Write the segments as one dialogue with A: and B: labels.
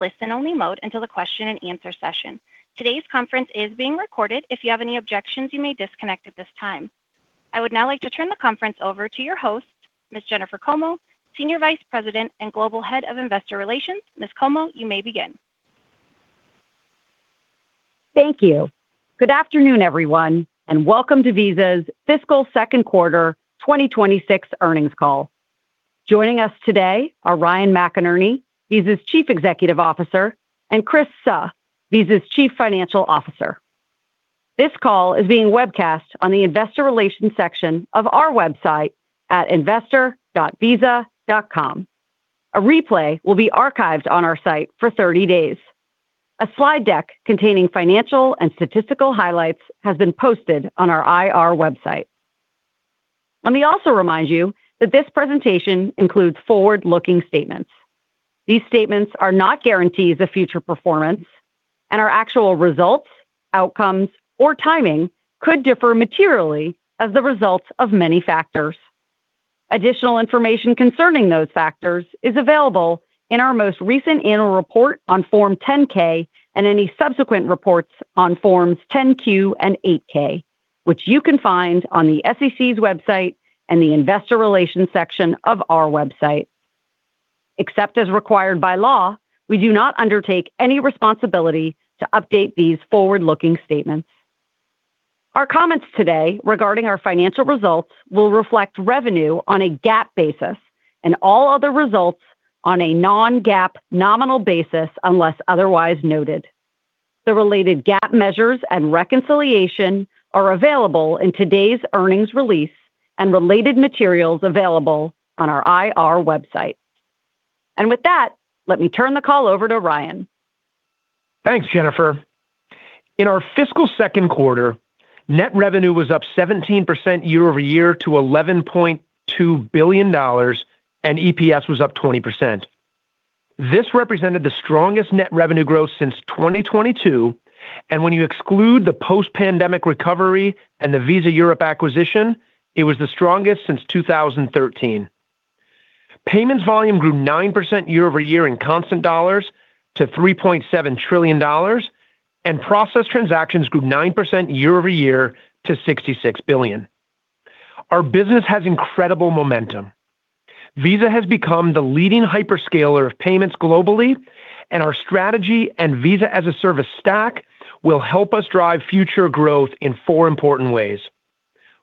A: Listen-only mode until the question-and-answer session. Today's conference is being recorded. If you have any objections, you may disconnect at this time. I would now like to turn the conference over to your host, Ms. Jennifer Como, Senior Vice President and Global Head of Investor Relations. Ms. Como, you may begin.
B: Thank you. Good afternoon, everyone, and welcome to Visa's Fiscal Second Quarter 2026 earnings call. Joining us today are Ryan McInerney, Visa's Chief Executive Officer, and Chris Suh, Visa's Chief Financial Officer. This call is being webcast on the investor relations section of our website at investor.visa.com. A replay will be archived on our site for 30 days. A slide deck containing financial and statistical highlights has been posted on our IR website. Let me also remind you that this presentation includes forward-looking statements. These statements are not guarantees of future performance, and our actual results, outcomes, or timing could differ materially as the result of many factors. Additional information concerning those factors is available in our most recent annual report on Form 10-K and any subsequent reports on Forms 10-Q and 8-K, which you can find on the SEC's website and the investor relations section of our website. Except as required by law, we do not undertake any responsibility to update these forward-looking statements. Our comments today regarding our financial results will reflect revenue on a GAAP basis and all other results on a non-GAAP nominal basis unless otherwise noted. The related GAAP measures and reconciliation are available in today's earnings release and related materials available on our IR website. With that, let me turn the call over to Ryan.
C: Thanks, Jennifer. In our fiscal second quarter, net revenue was up 17% year-over-year to $11.2 billion and EPS was up 20%. This represented the strongest net revenue growth since 2022. When you exclude the post-pandemic recovery and the Visa Europe acquisition, it was the strongest since 2013. Payments volume grew 9% year-over-year in constant dollars to $3.7 trillion. Processed transactions grew 9% year-over-year to 66 billion. Our business has incredible momentum. Visa has become the leading hyperscaler of payments globally. Our strategy and Visa as a Service stack will help us drive future growth in four important ways.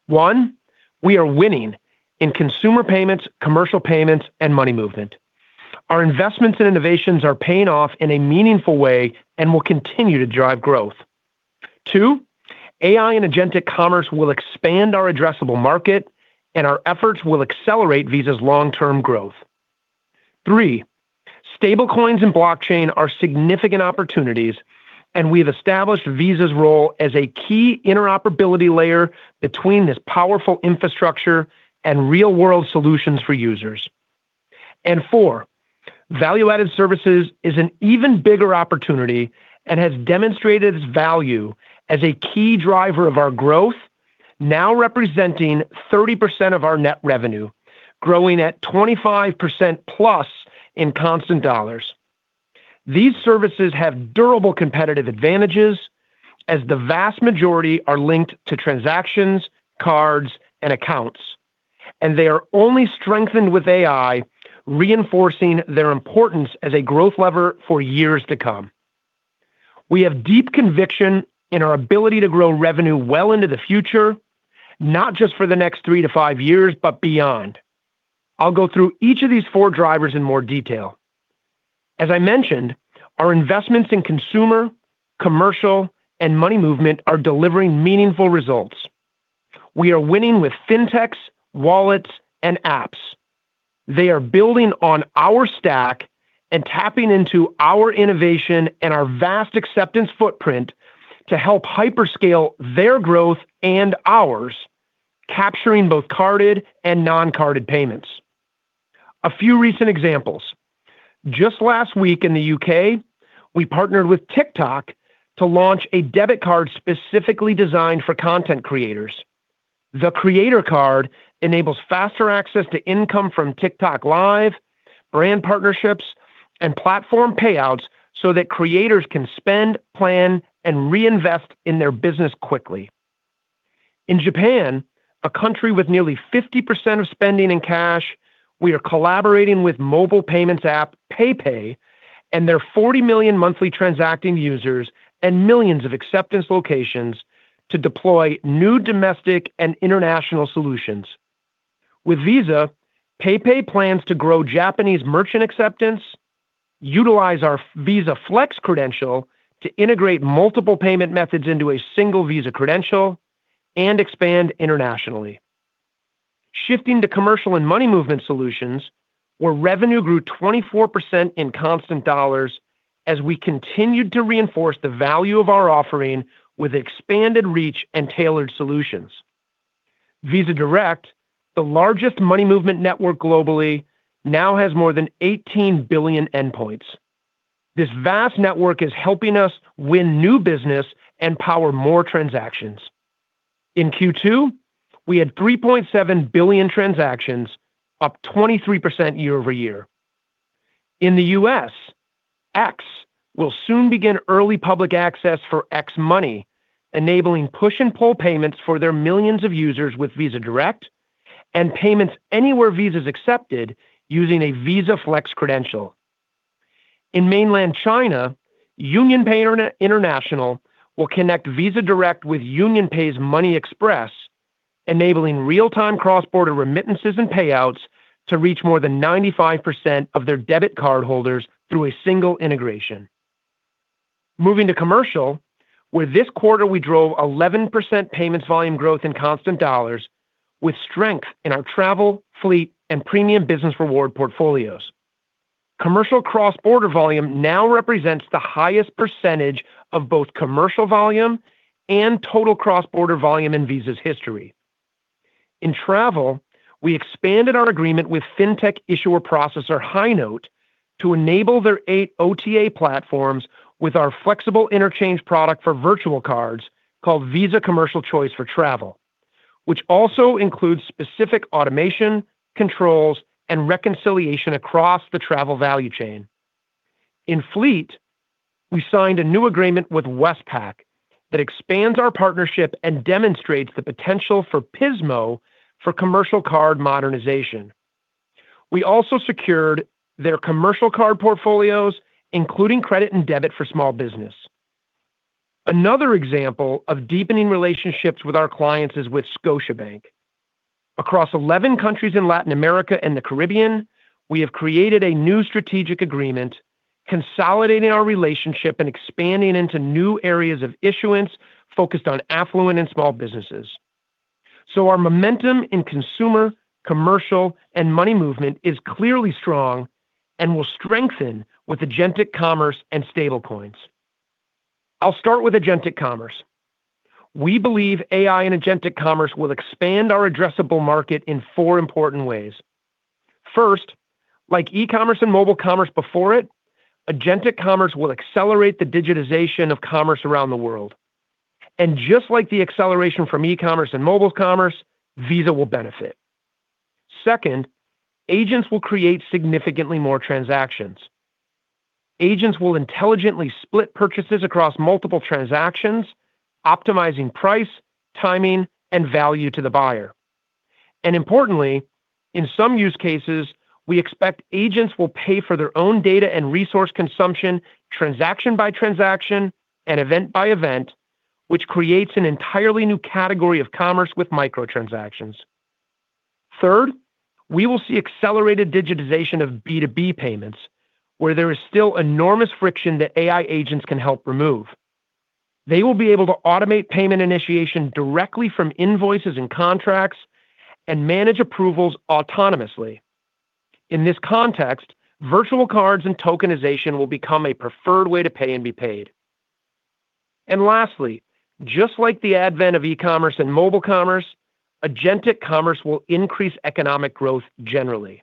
C: One, we are winning in consumer payments, commercial payments, and money movement. Our investments and innovations are paying off in a meaningful way and will continue to drive growth. Two, AI and agentic commerce will expand our addressable market and our efforts will accelerate Visa's long-term growth. Three, stablecoins and blockchain are significant opportunities, we've established Visa's role as a key interoperability layer between this powerful infrastructure and real-world solutions for users. Four, value-added services is an even bigger opportunity and has demonstrated its value as a key driver of our growth, now representing 30% of our net revenue, growing at 25%+ in constant $. These services have durable competitive advantages as the vast majority are linked to transactions, cards, and accounts, and they are only strengthened with AI, reinforcing their importance as a growth lever for years to come. We have deep conviction in our ability to grow revenue well into the future, not just for the next three to five years, but beyond. I'll go through each of these four drivers in more detail. As I mentioned, our investments in consumer, commercial, and money movement are delivering meaningful results. We are winning with fintechs, wallets, and apps. They are building on our stack and tapping into our innovation and our vast acceptance footprint to help hyperscale their growth and ours, capturing both carded and non-carded payments. A few recent examples. Just last week in the U.K., we partnered with TikTok to launch a debit card specifically designed for content creators. The Creator Card enables faster access to income from TikTok LIVE, brand partnerships, and platform payouts so that creators can spend, plan, and reinvest in their business quickly. In Japan, a country with nearly 50% of spending in cash, we are collaborating with mobile payments app PayPay and their 40 million monthly transacting users and millions of acceptance locations to deploy new domestic and international solutions. With Visa, PayPay plans to grow Japanese merchant acceptance, utilize our Visa Flexible Credential to integrate multiple payment methods into a single Visa credential, and expand internationally. Shifting to commercial and money movement solutions, where revenue grew 24% in constant dollars as we continued to reinforce the value of our offering with expanded reach and tailored solutions. Visa Direct, the largest money movement network globally, now has more than 18 billion endpoints. This vast network is helping us win new business and power more transactions. In Q2, we had 3.7 billion transactions, up 23% year-over-year. In the U.S., X will soon begin early public access for X Money, enabling push and pull payments for their millions of users with Visa Direct and payments anywhere Visa is accepted using a Visa Flexible Credential. In mainland China, UnionPay International will connect Visa Direct with UnionPay's MoneyExpress, enabling real-time cross-border remittances and payouts to reach more than 95% of their debit cardholders through a single integration. Moving to commercial, where this quarter we drove 11% payments volume growth in constant dollars with strength in our travel, fleet, and premium business reward portfolios. Commercial cross-border volume now represents the highest percentage of both commercial volume and total cross-border volume in Visa's history. In travel, we expanded our agreement with fintech issuer processor Highnote to enable their eight OTA platforms with our flexible interchange product for virtual cards called Visa Commercial Choice for Travel, which also includes specific automation, controls, and reconciliation across the travel value chain. In fleet, we signed a new agreement with Westpac that expands our partnership and demonstrates the potential for Pismo for commercial card modernization. We also secured their commercial card portfolios, including credit and debit for small business. Another example of deepening relationships with our clients is with Scotiabank. Across 11 countries in Latin America and the Caribbean, we have created a new strategic agreement consolidating our relationship and expanding into new areas of issuance focused on affluent and small businesses. Our momentum in consumer, commercial, and money movement is clearly strong and will strengthen with agentic commerce and stablecoins. I'll start with agentic commerce. We believe AI and agentic commerce will expand our addressable market in four important ways. First, like e-commerce and mobile commerce before it, agentic commerce will accelerate the digitization of commerce around the world. Just like the acceleration from e-commerce and mobile commerce, Visa will benefit. Second, agents will create significantly more transactions. Agents will intelligently split purchases across multiple transactions, optimizing price, timing, and value to the buyer. Importantly, in some use cases, we expect agents will pay for their own data and resource consumption transaction by transaction and event by event, which creates an entirely new category of commerce with microtransactions. Third, we will see accelerated digitization of B2B payments, where there is still enormous friction that AI agents can help remove. They will be able to automate payment initiation directly from invoices and contracts and manage approvals autonomously. In this context, virtual cards and tokenization will become a preferred way to pay and be paid. Lastly, just like the advent of e-commerce and mobile commerce, agentic commerce will increase economic growth generally.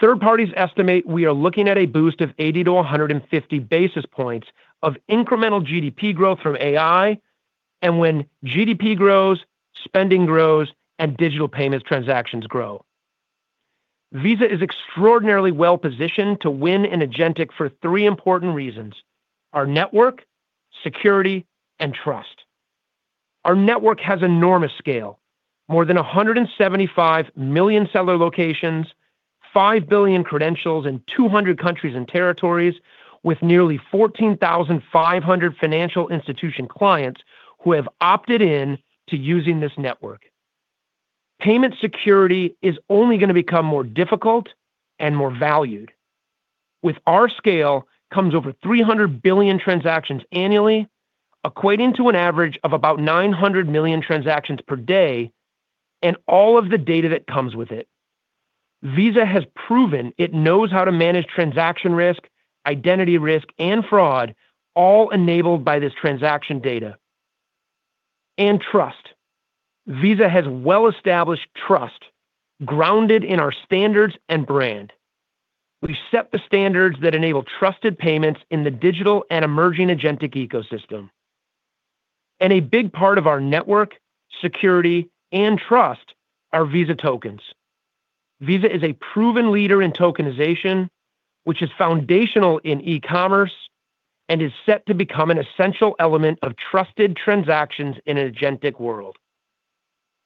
C: Third parties estimate we are looking at a boost of 80 to 150 basis points of incremental GDP growth from AI. When GDP grows, spending grows, and digital payments transactions grow. Visa is extraordinarily well-positioned to win in agentic for three important reasons, our network, security, and trust. Our network has enormous scale, more than 175 million seller locations, five billion credentials in 200 countries and territories, with nearly 14,500 financial institution clients who have opted in to using this network. Payment security is only going to become more difficult and more valued. With our scale comes over 300 billion transactions annually, equating to an average of about 900 million transactions per day, and all of the data that comes with it. Visa has proven it knows how to manage transaction risk, identity risk, and fraud, all enabled by this transaction data. Trust. Visa has well-established trust grounded in our standards and brand. We set the standards that enable trusted payments in the digital and emerging agentic ecosystem. A big part of our network, security, and trust are Visa tokens. Visa is a proven leader in tokenization, which is foundational in e-commerce and is set to become an essential element of trusted transactions in an agentic world.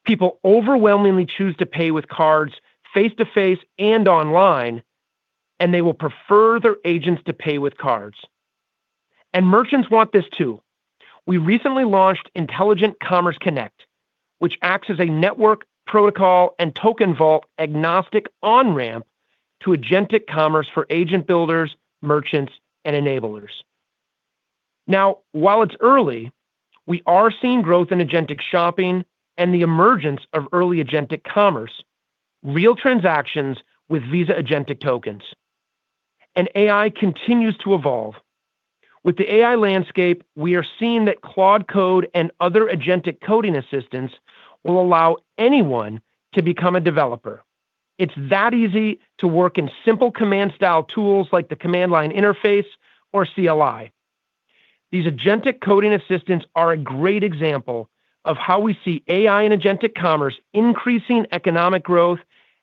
C: People overwhelmingly choose to pay with cards face-to-face and online, and they will prefer their agents to pay with cards. Merchants want this too. We recently launched Intelligent Commerce Connect, which acts as a network, protocol, and token vault-agnostic on-ramp to agentic commerce for agent builders, merchants, and enablers. Now, while it's early, we are seeing growth in agentic shopping and the emergence of early agentic commerce, real transactions with Visa agentic tokens. AI continues to evolve. With the AI landscape, we are seeing that Claude Code and other agentic coding assistants will allow anyone to become a developer. It's that easy to work in simple command-style tools like the command-line interface or CLI. These agentic coding assistants are a great example of how we see AI and agentic commerce increasing economic growth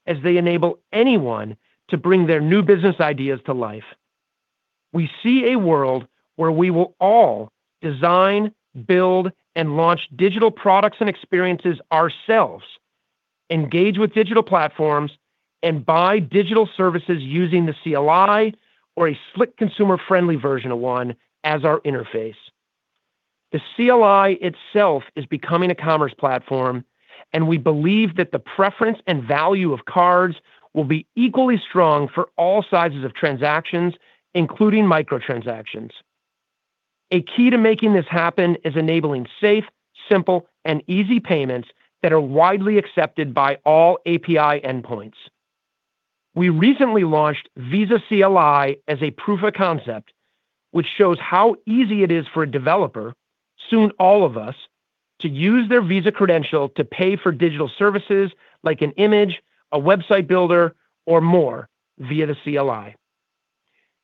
C: as they enable anyone to bring their new business ideas to life. We see a world where we will all design, build, and launch digital products and experiences ourselves, engage with digital platforms, and buy digital services using the CLI or a slick consumer-friendly version of one as our interface. The CLI itself is becoming a commerce platform. We believe that the preference and value of cards will be equally strong for all sizes of transactions, including micro-transactions. A key to making this happen is enabling safe, simple, and easy payments that are widely accepted by all API endpoints. We recently launched Visa CLI as a proof of concept which shows how easy it is for a developer, soon all of us, to use their Visa credential to pay for digital services like an image, a website builder, or more via the CLI.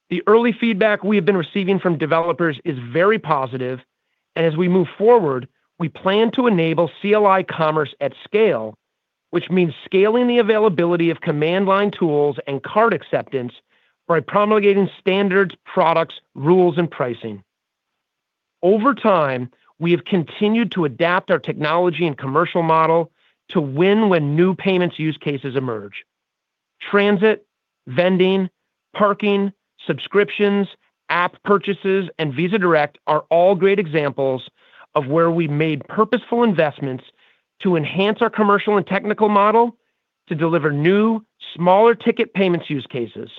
C: The early feedback we have been receiving from developers is very positive, and as we move forward, we plan to enable CLI commerce at scale, which means scaling the availability of command-line tools and card acceptance by promulgating standards, products, rules, and pricing. Over time, we have continued to adapt our technology and commercial model to win when new payments use cases emerge. Transit, vending, parking, subscriptions, app purchases, and Visa Direct are all great examples of where we've made purposeful investments to enhance our commercial and technical model to deliver new, smaller-ticket payments use cases.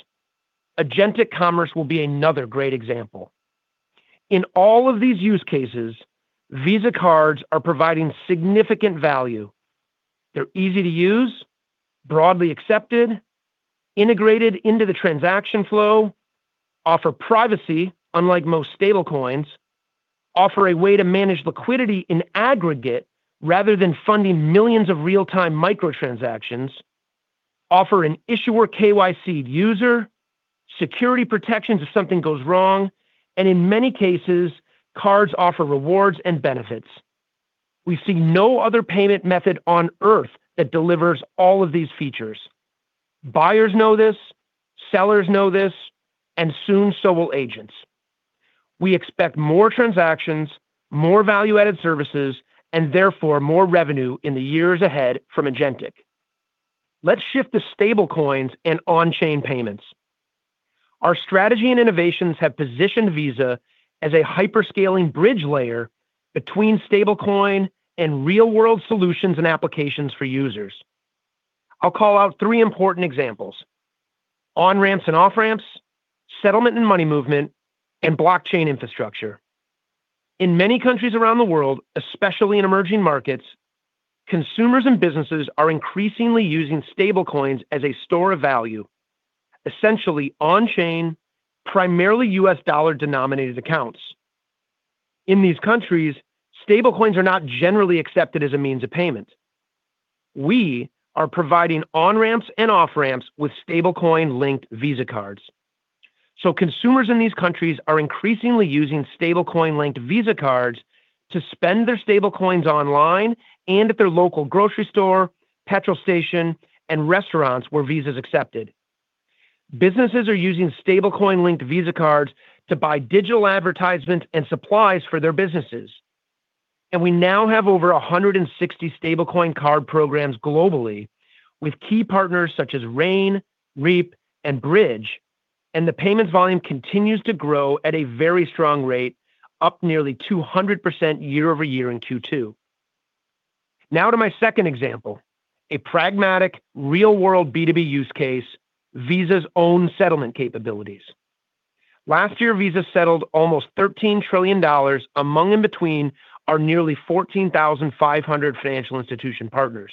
C: Agentic commerce will be another great example. In all of these use cases, Visa cards are providing significant value. They're easy to use, broadly accepted, integrated into the transaction flow, offer privacy, unlike most stablecoins, offer a way to manage liquidity in aggregate rather than funding millions of real-time micro-transactions, offer an issuer KYC user, security protections if something goes wrong, and in many cases, cards offer rewards and benefits. We see no other payment method on Earth that delivers all of these features. Buyers know this, sellers know this. Soon so will agents. We expect more transactions, more value-added services, and therefore more revenue in the years ahead from agentic. Let's shift to stablecoins and on-chain payments. Our strategy and innovations have positioned Visa as a hyper-scaling bridge layer between stablecoin and real-world solutions and applications for users. I'll call out three important examples. On-ramps and off-ramps, settlement and money movement, and blockchain infrastructure. In many countries around the world, especially in emerging markets, consumers and businesses are increasingly using stablecoins as a store of value, essentially on-chain, primarily U.S. dollar-denominated accounts. In these countries, stablecoins are not generally accepted as a means of payment. We are providing on-ramps and off-ramps with stablecoin-linked Visa cards. Consumers in these countries are increasingly using stablecoin-linked Visa cards to spend their stablecoins online and at their local grocery store, petrol station, and restaurants where Visa is accepted. Businesses are using stablecoin-linked Visa cards to buy digital advertisements and supplies for their businesses. We now have over 160 stablecoin card programs globally with key partners such as Rain, Reap, and Bridge, and the payments volume continues to grow at a very strong rate, up nearly 200% year-over-year in Q2. To my second example, a pragmatic real-world B2B use case, Visa's own settlement capabilities. Last year, Visa settled almost $13 trillion among and between our nearly 14,500 financial institution partners.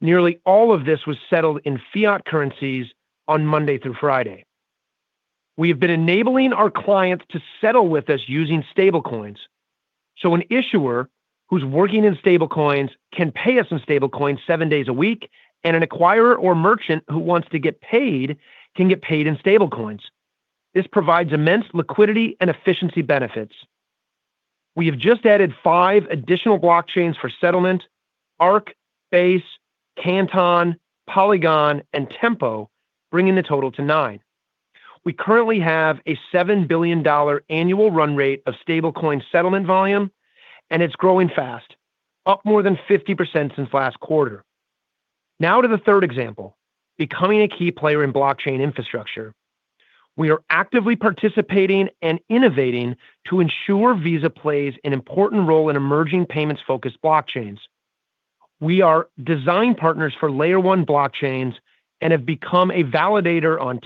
C: Nearly all of this was settled in fiat currencies on Monday through Friday. We have been enabling our clients to settle with us using stablecoins. An issuer who's working in stablecoins can pay us in stablecoins seven days a week, and an acquirer or merchant who wants to get paid can get paid in stablecoins. This provides immense liquidity and efficiency benefits. We have just added five additional blockchains for settlement, Arc, Base, Canton, Polygon, and Tempo, bringing the total to nine. We currently have a $7 billion annual run rate of stablecoin settlement volume, and it's growing fast, up more than 50% since last quarter. To the third example, becoming a key player in blockchain infrastructure. We are actively participating and innovating to ensure Visa plays an important role in emerging payments-focused blockchains. We are design partners for Layer 1 blockchains and have become a validator on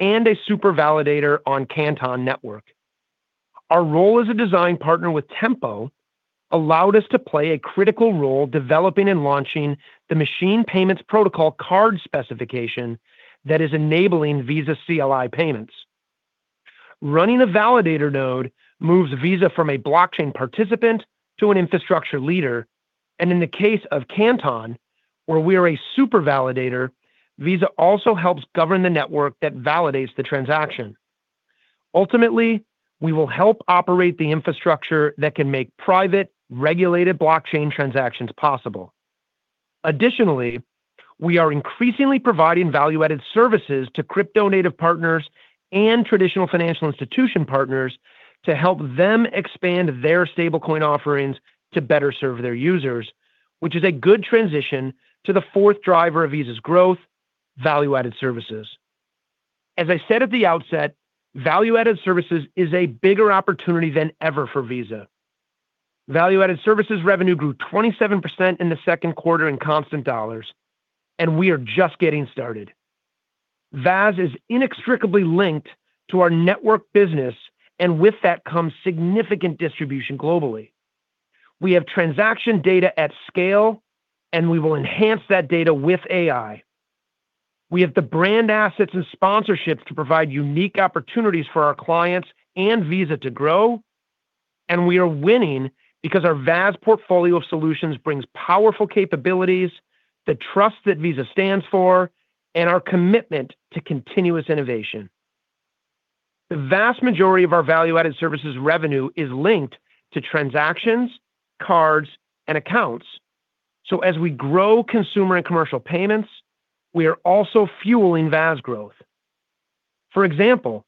C: Tempo and a super validator on Canton Network. Our role as a design partner with Tempo allowed us to play a critical role developing and launching the Machine Payments Protocol card specification that is enabling Visa CLI payments. Running a validator node moves Visa from a blockchain participant to an infrastructure leader. In the case of Canton, where we are a super validator, Visa also helps govern the network that validates the transaction. Ultimately, we will help operate the infrastructure that can make private, regulated blockchain transactions possible. Additionally, we are increasingly providing value-added services to crypto-native partners and traditional financial institution partners to help them expand their stablecoin offerings to better serve their users, which is a good transition to the fourth driver of Visa's growth, value-added services. As I said at the outset, value-added services is a bigger opportunity than ever for Visa. Value-added services revenue grew 27% in the second quarter in constant dollars. We are just getting started. VAS is inextricably linked to our network business. With that comes significant distribution globally. We have transaction data at scale. We will enhance that data with AI. We have the brand assets and sponsorships to provide unique opportunities for our clients and Visa to grow. We are winning because our VAS portfolio of solutions brings powerful capabilities, the trust that Visa stands for, and our commitment to continuous innovation. The vast majority of our value-added services revenue is linked to transactions, cards, and accounts. As we grow consumer and commercial payments, we are also fueling VAS growth. For example,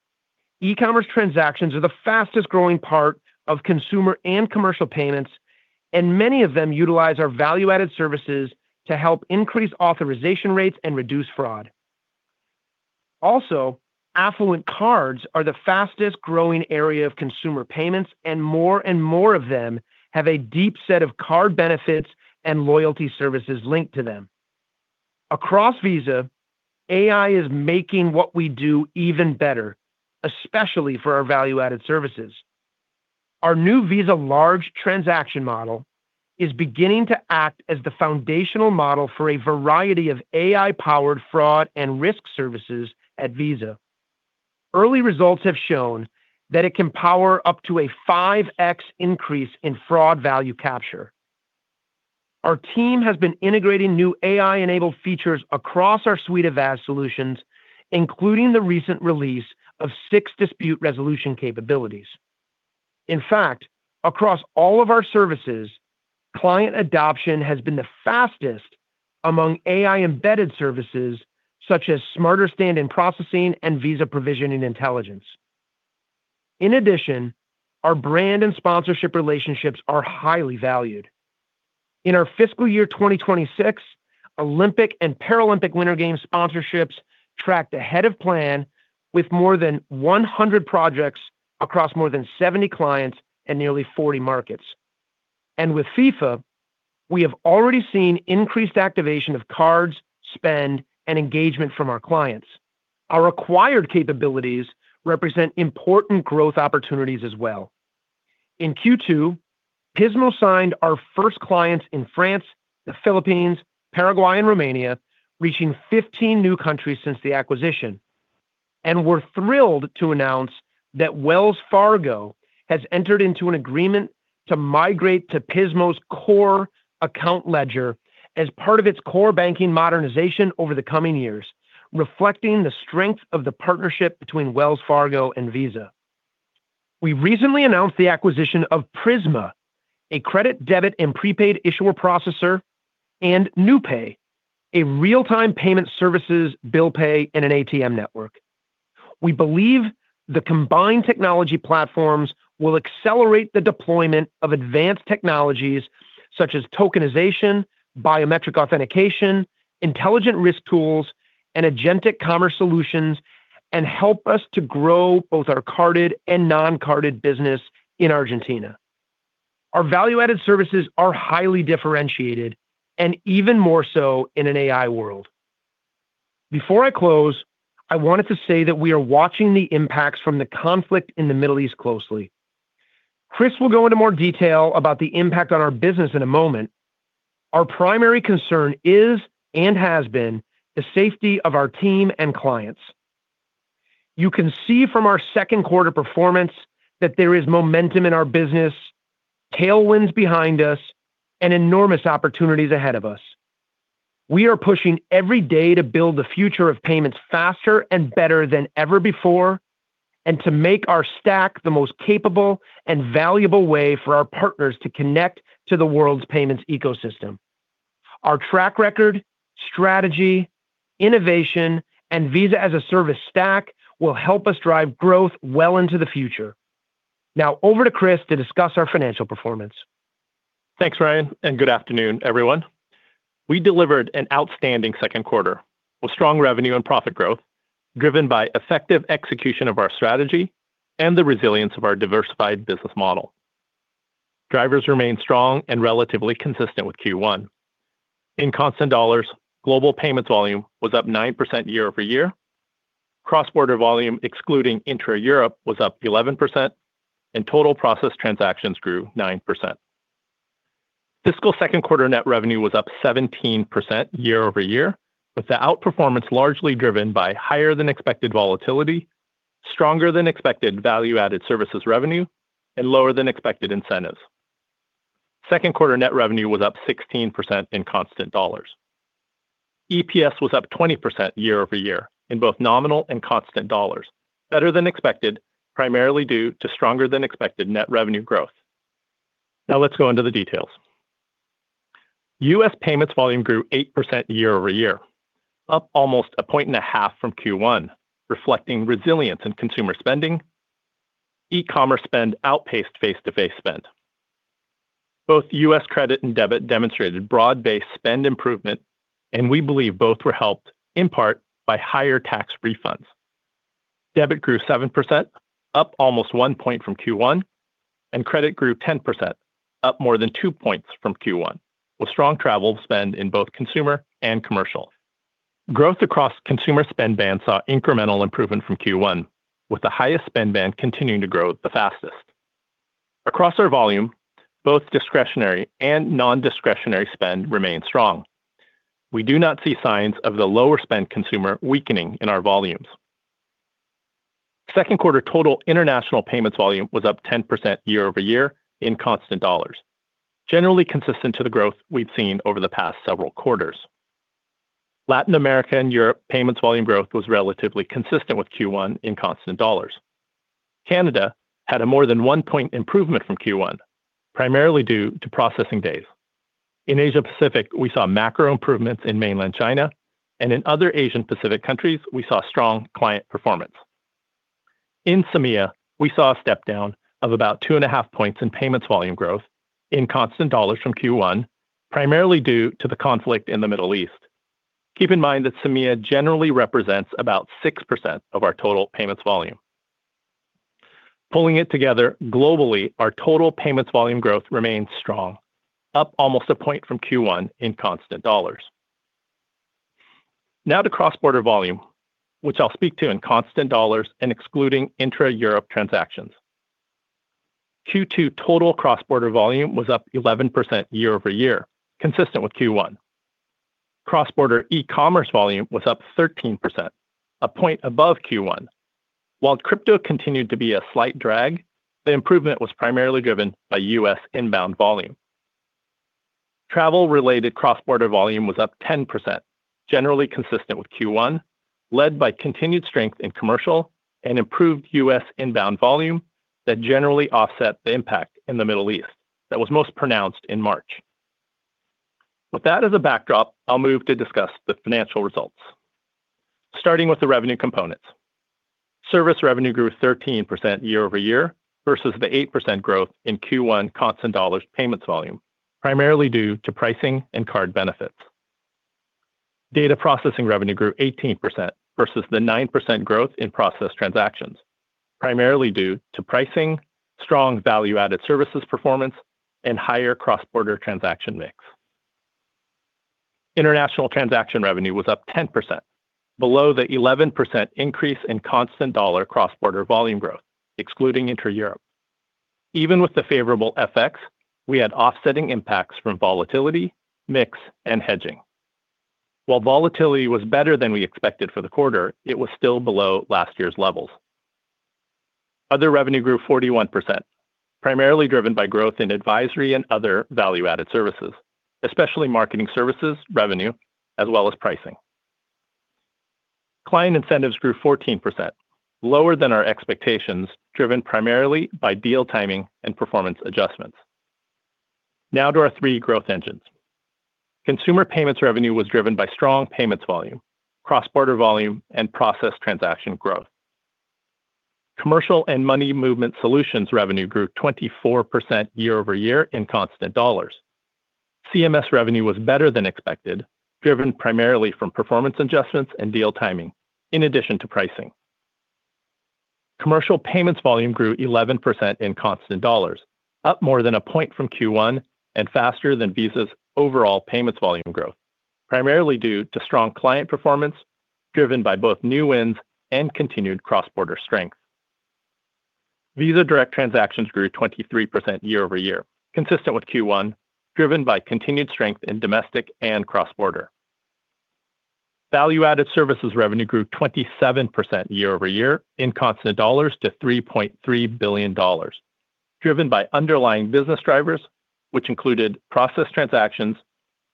C: e-commerce transactions are the fastest-growing part of consumer and commercial payments, and many of them utilize our value-added services to help increase authorization rates and reduce fraud. Affluent cards are the fastest-growing area of consumer payments, and more and more of them have a deep set of card benefits and loyalty services linked to them. Across Visa, AI is making what we do even better, especially for our value-added services. Our new Visa large transaction model is beginning to act as the foundational model for a variety of AI-powered fraud and risk services at Visa. Early results have shown that it can power up to a 5x increase in fraud value capture. Our team has been integrating new AI-enabled features across our suite of VAS solutions, including the recent release of six dispute resolution capabilities. In fact, across all of our services, client adoption has been the fastest among AI-embedded services such as Smarter Stand-In Processing and Visa Provisioning Intelligence. In addition, our brand and sponsorship relationships are highly valued. In our fiscal year 2026, Olympic and Paralympic Winter Games sponsorships tracked ahead of plan with more than 100 projects across more than 70 clients and nearly 40 markets. With FIFA, we have already seen increased activation of cards, spend, and engagement from our clients. Our acquired capabilities represent important growth opportunities as well. In Q2, Pismo signed our first clients in France, the Philippines, Paraguay, and Romania, reaching 15 new countries since the acquisition. We're thrilled to announce that Wells Fargo has entered into an agreement to migrate to Pismo's core account ledger as part of its core banking modernization over the coming years, reflecting the strength of the partnership between Wells Fargo and Visa. We recently announced the acquisition of Prisma, a credit, debit, and prepaid issuer-processor, and Newpay, a real-time payment services bill pay and an ATM network. We believe the combined technology platforms will accelerate the deployment of advanced technologies such as tokenization, biometric authentication, intelligent risk tools, and agentic commerce solutions and help us to grow both our carded and non-carded business in Argentina. Our value-added services are highly differentiated and even more so in an AI world. Before I close, I wanted to say that we are watching the impacts from the conflict in the Middle East closely. Chris will go into more detail about the impact on our business in a moment. Our primary concern is and has been the safety of our team and clients. You can see from our second quarter performance that there is momentum in our business, tailwinds behind us, and enormous opportunities ahead of us. We are pushing every day to build the future of payments faster and better than ever before and to make our stack the most capable and valuable way for our partners to connect to the world's payments ecosystem. Our track record, strategy, innovation, and Visa as a Service stack will help us drive growth well into the future. Now over to Chris to discuss our financial performance.
D: Thanks, Ryan. Good afternoon, everyone. We delivered an outstanding second quarter with strong revenue and profit growth driven by effective execution of our strategy and the resilience of our diversified business model. Drivers remain strong and relatively consistent with Q1. In constant dollars, global payments volume was up 9% year-over-year. Cross-border volume excluding intra-Europe was up 11%, and total processed transactions grew 9%. Fiscal second quarter net revenue was up 17% year-over-year, with the outperformance largely driven by higher than expected volatility, stronger than expected value-added services revenue, and lower than expected incentives. Second quarter net revenue was up 16% in constant dollars. EPS was up 20% year-over-year in both nominal and constant dollars, better than expected, primarily due to stronger than expected net revenue growth. Let's go into the details. U.S. payments volume grew 8% year-over-year, up almost a point and a half from Q1, reflecting resilience in consumer spending. E-commerce spend outpaced face-to-face spend. Both U.S. credit and debit demonstrated broad-based spend improvement, and we believe both were helped in part by higher tax refunds. Debit grew 7%, up almost one point from Q1, and credit grew 10%, up more than two points from Q1, with strong travel spend in both consumer and commercial. Growth across consumer spend bands saw incremental improvement from Q1, with the highest spend band continuing to grow the fastest. Across our volume, both discretionary and non-discretionary spend remained strong. We do not see signs of the lower spend consumer weakening in our volumes. Second quarter total international payments volume was up 10% year-over-year in constant dollars, generally consistent to the growth we've seen over the past several quarters. Latin America and Europe payments volume growth was relatively consistent with Q1 in constant dollars. Canada had a more than one point improvement from Q1, primarily due to processing days. In Asia-Pacific, we saw macro improvements in mainland China, and in other Asian-Pacific countries, we saw strong client performance. In CEMEA, we saw a step-down of about 2.5 points in payments volume growth in constant dollars from Q1, primarily due to the conflict in the Middle East. Keep in mind that CEMEA generally represents about 6% of our total payments volume. Pulling it together, globally, our total payments volume growth remains strong, up almost 1 point from Q1 in constant dollars. To cross-border volume, which I'll speak to in constant USD and excluding intra-Europe transactions. Q2 total cross-border volume was up 11% year-over-year, consistent with Q1. Cross-border e-commerce volume was up 13%, a point above Q1. While crypto continued to be a slight drag, the improvement was primarily driven by U.S. inbound volume. Travel-related cross-border volume was up 10%, generally consistent with Q1, led by continued strength in commercial and improved U.S. inbound volume that generally offset the impact in the Middle East that was most pronounced in March. With that as a backdrop, I'll move to discuss the financial results. Starting with the revenue components. Service revenue grew 13% year-over-year versus the 8% growth in Q1 constant USD payments volume, primarily due to pricing and card benefits. Data processing revenue grew 18% versus the 9% growth in processed transactions, primarily due to pricing, strong value-added services performance, and higher cross-border transaction mix. International transaction revenue was up 10%, below the 11% increase in constant dollar cross-border volume growth, excluding intra-Europe. Even with the favorable FX, we had offsetting impacts from volatility, mix, and hedging. While volatility was better than we expected for the quarter, it was still below last year's levels. Other revenue grew 41%, primarily driven by growth in advisory and other value-added services, especially marketing services revenue, as well as pricing. Client incentives grew 14%, lower than our expectations, driven primarily by deal timing and performance adjustments. Now to our three growth engines. Consumer payments revenue was driven by strong payments volume, cross-border volume, and processed transaction growth. Commercial and money movement solutions revenue grew 24% year-over-year in constant dollars. CMS revenue was better than expected, driven primarily from performance adjustments and deal timing, in addition to pricing. Commercial payments volume grew 11% in constant dollars, up more than a point from Q1 and faster than Visa's overall payments volume growth, primarily due to strong client performance, driven by both new wins and continued cross-border strength. Visa Direct transactions grew 23% year-over-year, consistent with Q1, driven by continued strength in domestic and cross-border. Value-added services revenue grew 27% year-over-year in constant dollars to $3.3 billion, driven by underlying business drivers, which included processed transactions,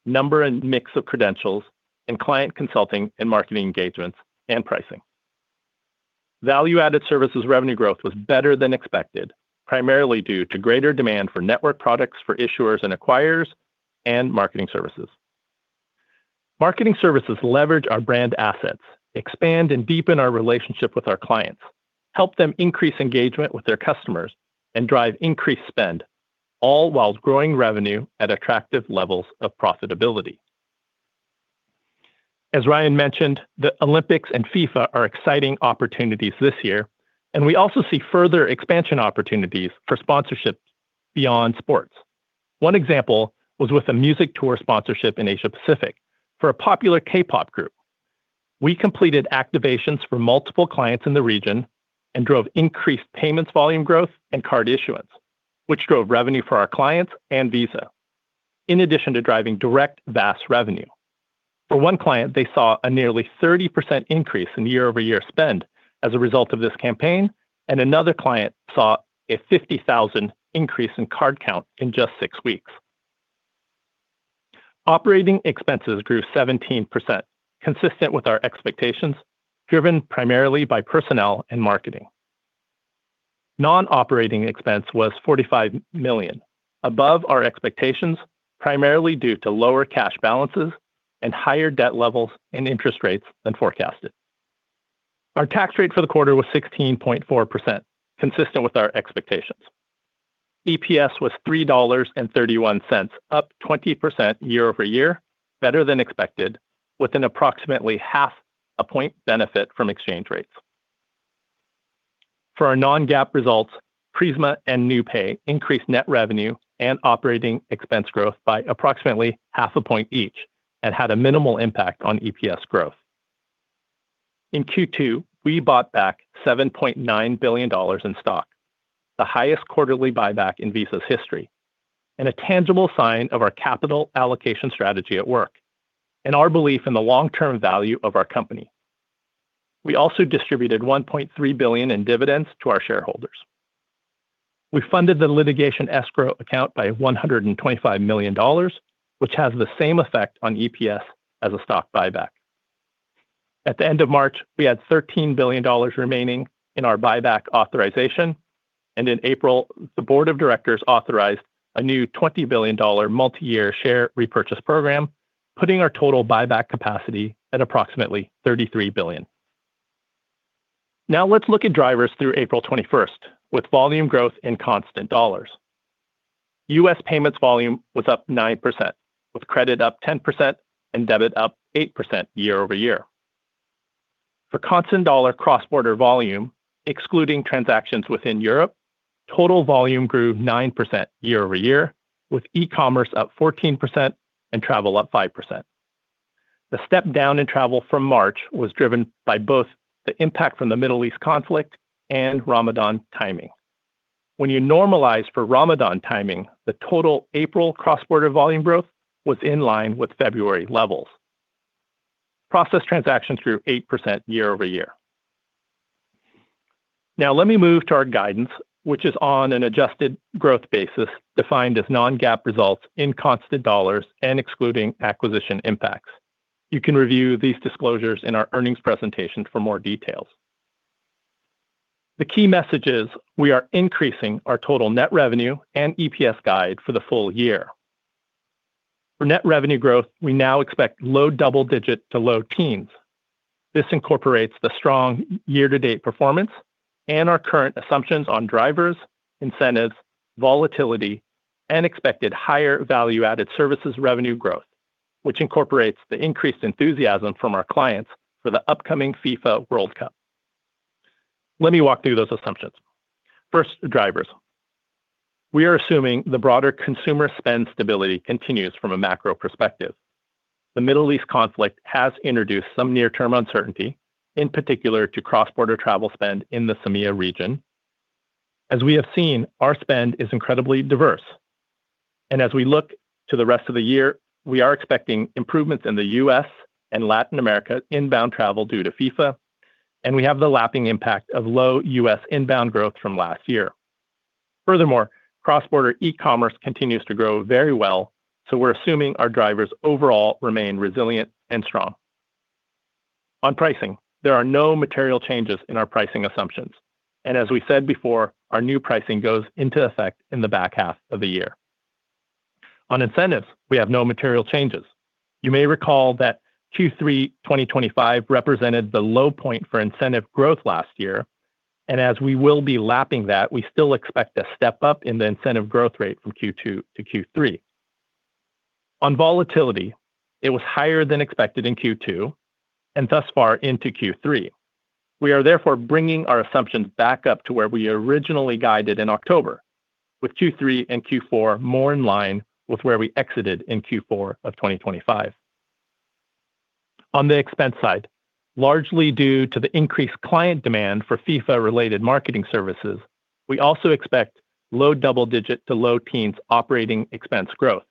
D: number and mix of credentials, and client consulting and marketing engagements and pricing. Value-added services revenue growth was better than expected, primarily due to greater demand for network products for issuers and acquirers and marketing services. Marketing services leverage our brand assets, expand and deepen our relationship with our clients, help them increase engagement with their customers, and drive increased spend, all while growing revenue at attractive levels of profitability. As Ryan mentioned, the Olympics and FIFA are exciting opportunities this year, and we also see further expansion opportunities for sponsorship beyond sports. One example was with a music tour sponsorship in Asia-Pacific for a popular K-pop group. We completed activations for multiple clients in the region and drove increased payments volume growth and card issuance, which drove revenue for our clients and Visa, in addition to driving direct VAST revenue. For one client, they saw a nearly 30% increase in year-over-year spend as a result of this campaign. Another client saw a 50,000 increase in card count in just six weeks. Operating expenses grew 17%, consistent with our expectations, driven primarily by personnel and marketing. Non-operating expense was $45 million, above our expectations, primarily due to lower cash balances and higher debt levels and interest rates than forecasted. Our tax rate for the quarter was 16.4%, consistent with our expectations. EPS was $3.31, up 20% year-over-year, better than expected, with an approximately half a point benefit from exchange rates. For our non-GAAP results, Prisma and NewPay increased net revenue and operating expense growth by approximately half a point each and had a minimal impact on EPS growth. In Q2, we bought back $7.9 billion in stock, the highest quarterly buyback in Visa's history, and a tangible sign of our capital allocation strategy at work and our belief in the long-term value of our company. We also distributed $1.3 billion in dividends to our shareholders. We funded the litigation escrow account by $125 million, which has the same effect on EPS as a stock buyback. At the end of March, we had $13 billion remaining in our buyback authorization, and in April, the board of directors authorized a new $20 billion multi-year share repurchase program, putting our total buyback capacity at approximately $33 billion. Let's look at drivers through April 21st with volume growth in constant dollars. U.S. payments volume was up 9%, with credit up 10% and debit up 8% year-over-year. For constant dollar cross-border volume, excluding transactions within Europe, total volume grew 9% year-over-year, with e-commerce up 14% and travel up 5%. The step down in travel from March was driven by both the impact from the Middle East conflict and Ramadan timing. When you normalize for Ramadan timing, the total April cross-border volume growth was in line with February levels. Processed transactions grew 8% year-over-year. Let me move to our guidance, which is on an adjusted growth basis defined as non-GAAP results in constant dollars and excluding acquisition impacts. You can review these disclosures in our earnings presentation for more details. The key message is we are increasing our total net revenue and EPS guide for the full year. For net revenue growth, we now expect low double-digit to low teens. This incorporates the strong year-to-date performance and our current assumptions on drivers, incentives, volatility, and expected higher value-added services revenue growth, which incorporates the increased enthusiasm from our clients for the upcoming FIFA World Cup. Let me walk through those assumptions. First, drivers. We are assuming the broader consumer spend stability continues from a macro perspective. The Middle East conflict has introduced some near-term uncertainty, in particular to cross-border travel spend in the CEMEA region. As we have seen, our spend is incredibly diverse, and as we look to the rest of the year, we are expecting improvements in the U.S. and Latin America inbound travel due to FIFA, and we have the lapping impact of low U.S. inbound growth from last year. Furthermore, cross-border e-commerce continues to grow very well, so we're assuming our drivers overall remain resilient and strong. On pricing, there are no material changes in our pricing assumptions. As we said before, our new pricing goes into effect in the back half of the year. On incentives, we have no material changes. You may recall that Q3 2025 represented the low point for incentive growth last year. As we will be lapping that, we still expect a step up in the incentive growth rate from Q2 to Q3. On volatility, it was higher than expected in Q2. Thus far into Q3. We are therefore bringing our assumptions back up to where we originally guided in October, with Q3 and Q4 more in line with where we exited in Q4 of 2025. On the expense side, largely due to the increased client demand for FIFA-related marketing services, we also expect low double-digit to low teens operating expense growth.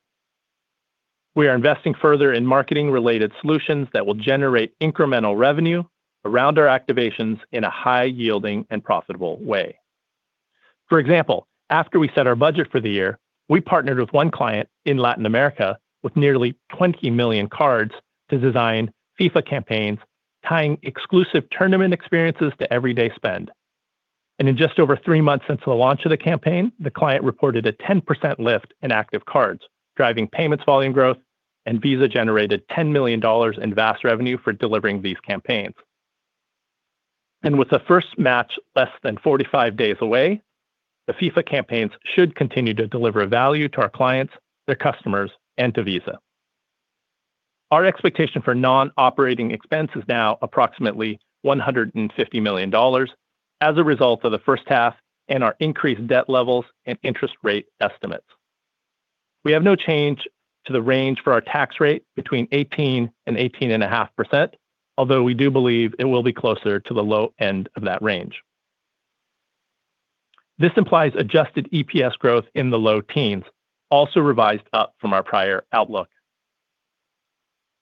D: We are investing further in marketing-related solutions that will generate incremental revenue around our activations in a high-yielding and profitable way. For example, after we set our budget for the year, we partnered with one client in Latin America with nearly 20 million cards to design FIFA campaigns tying exclusive tournament experiences to everyday spend. In just over three months since the launch of the campaign, the client reported a 10% lift in active cards, driving payments volume growth, and Visa generated $10 million in VAST revenue for delivering these campaigns. With the first match less than 45 days away, the FIFA campaigns should continue to deliver value to our clients, their customers, and to Visa. Our expectation for non-operating expense is now approximately $150 million as a result of the first half and our increased debt levels and interest rate estimates. We have no change to the range for our tax rate between 18% and 18.5%, although we do believe it will be closer to the low end of that range. This implies adjusted EPS growth in the low teens, also revised up from our prior outlook.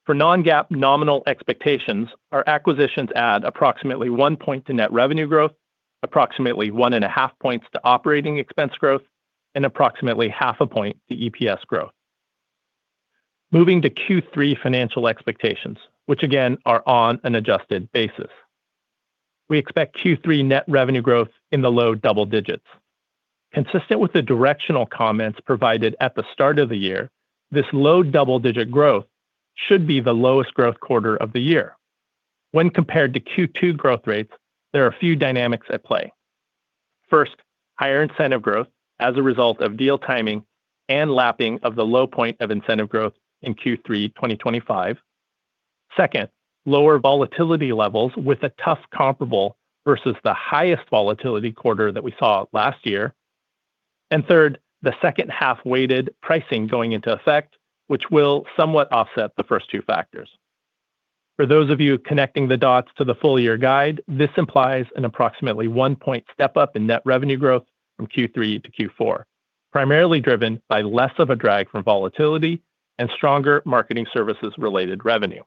D: For non-GAAP nominal expectations, our acquisitions add approximately 1 point to net revenue growth, approximately 1.5 points to operating expense growth, and approximately 0.5 points to EPS growth. Moving to Q3 financial expectations, which again are on an adjusted basis. We expect Q3 net revenue growth in the low double digits. Consistent with the directional comments provided at the start of the year, this low double-digit growth should be the lowest growth quarter of the year. When compared to Q2 growth rates, there are a few dynamics at play. First, higher incentive growth as a result of deal timing and lapping of the low point of incentive growth in Q3 2025. Second, lower volatility levels with a tough comparable versus the highest volatility quarter that we saw last year. Third, the second half-weighted pricing going into effect, which will somewhat offset the first two factors. For those of you connecting the dots to the full year guide, this implies an approximately one point step-up in net revenue growth from Q3 to Q4, primarily driven by less of a drag from volatility and stronger marketing services related revenue.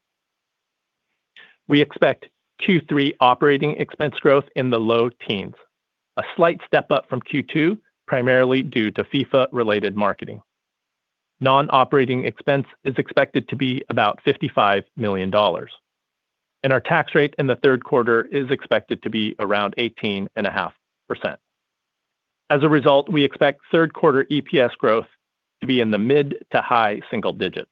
D: We expect Q3 operating expense growth in the low teens, a slight step up from Q2, primarily due to FIFA-related marketing. Non-operating expense is expected to be about $55 million, and our tax rate in the third quarter is expected to be around 18.5%. As a result, we expect third quarter EPS growth to be in the mid to high single digits.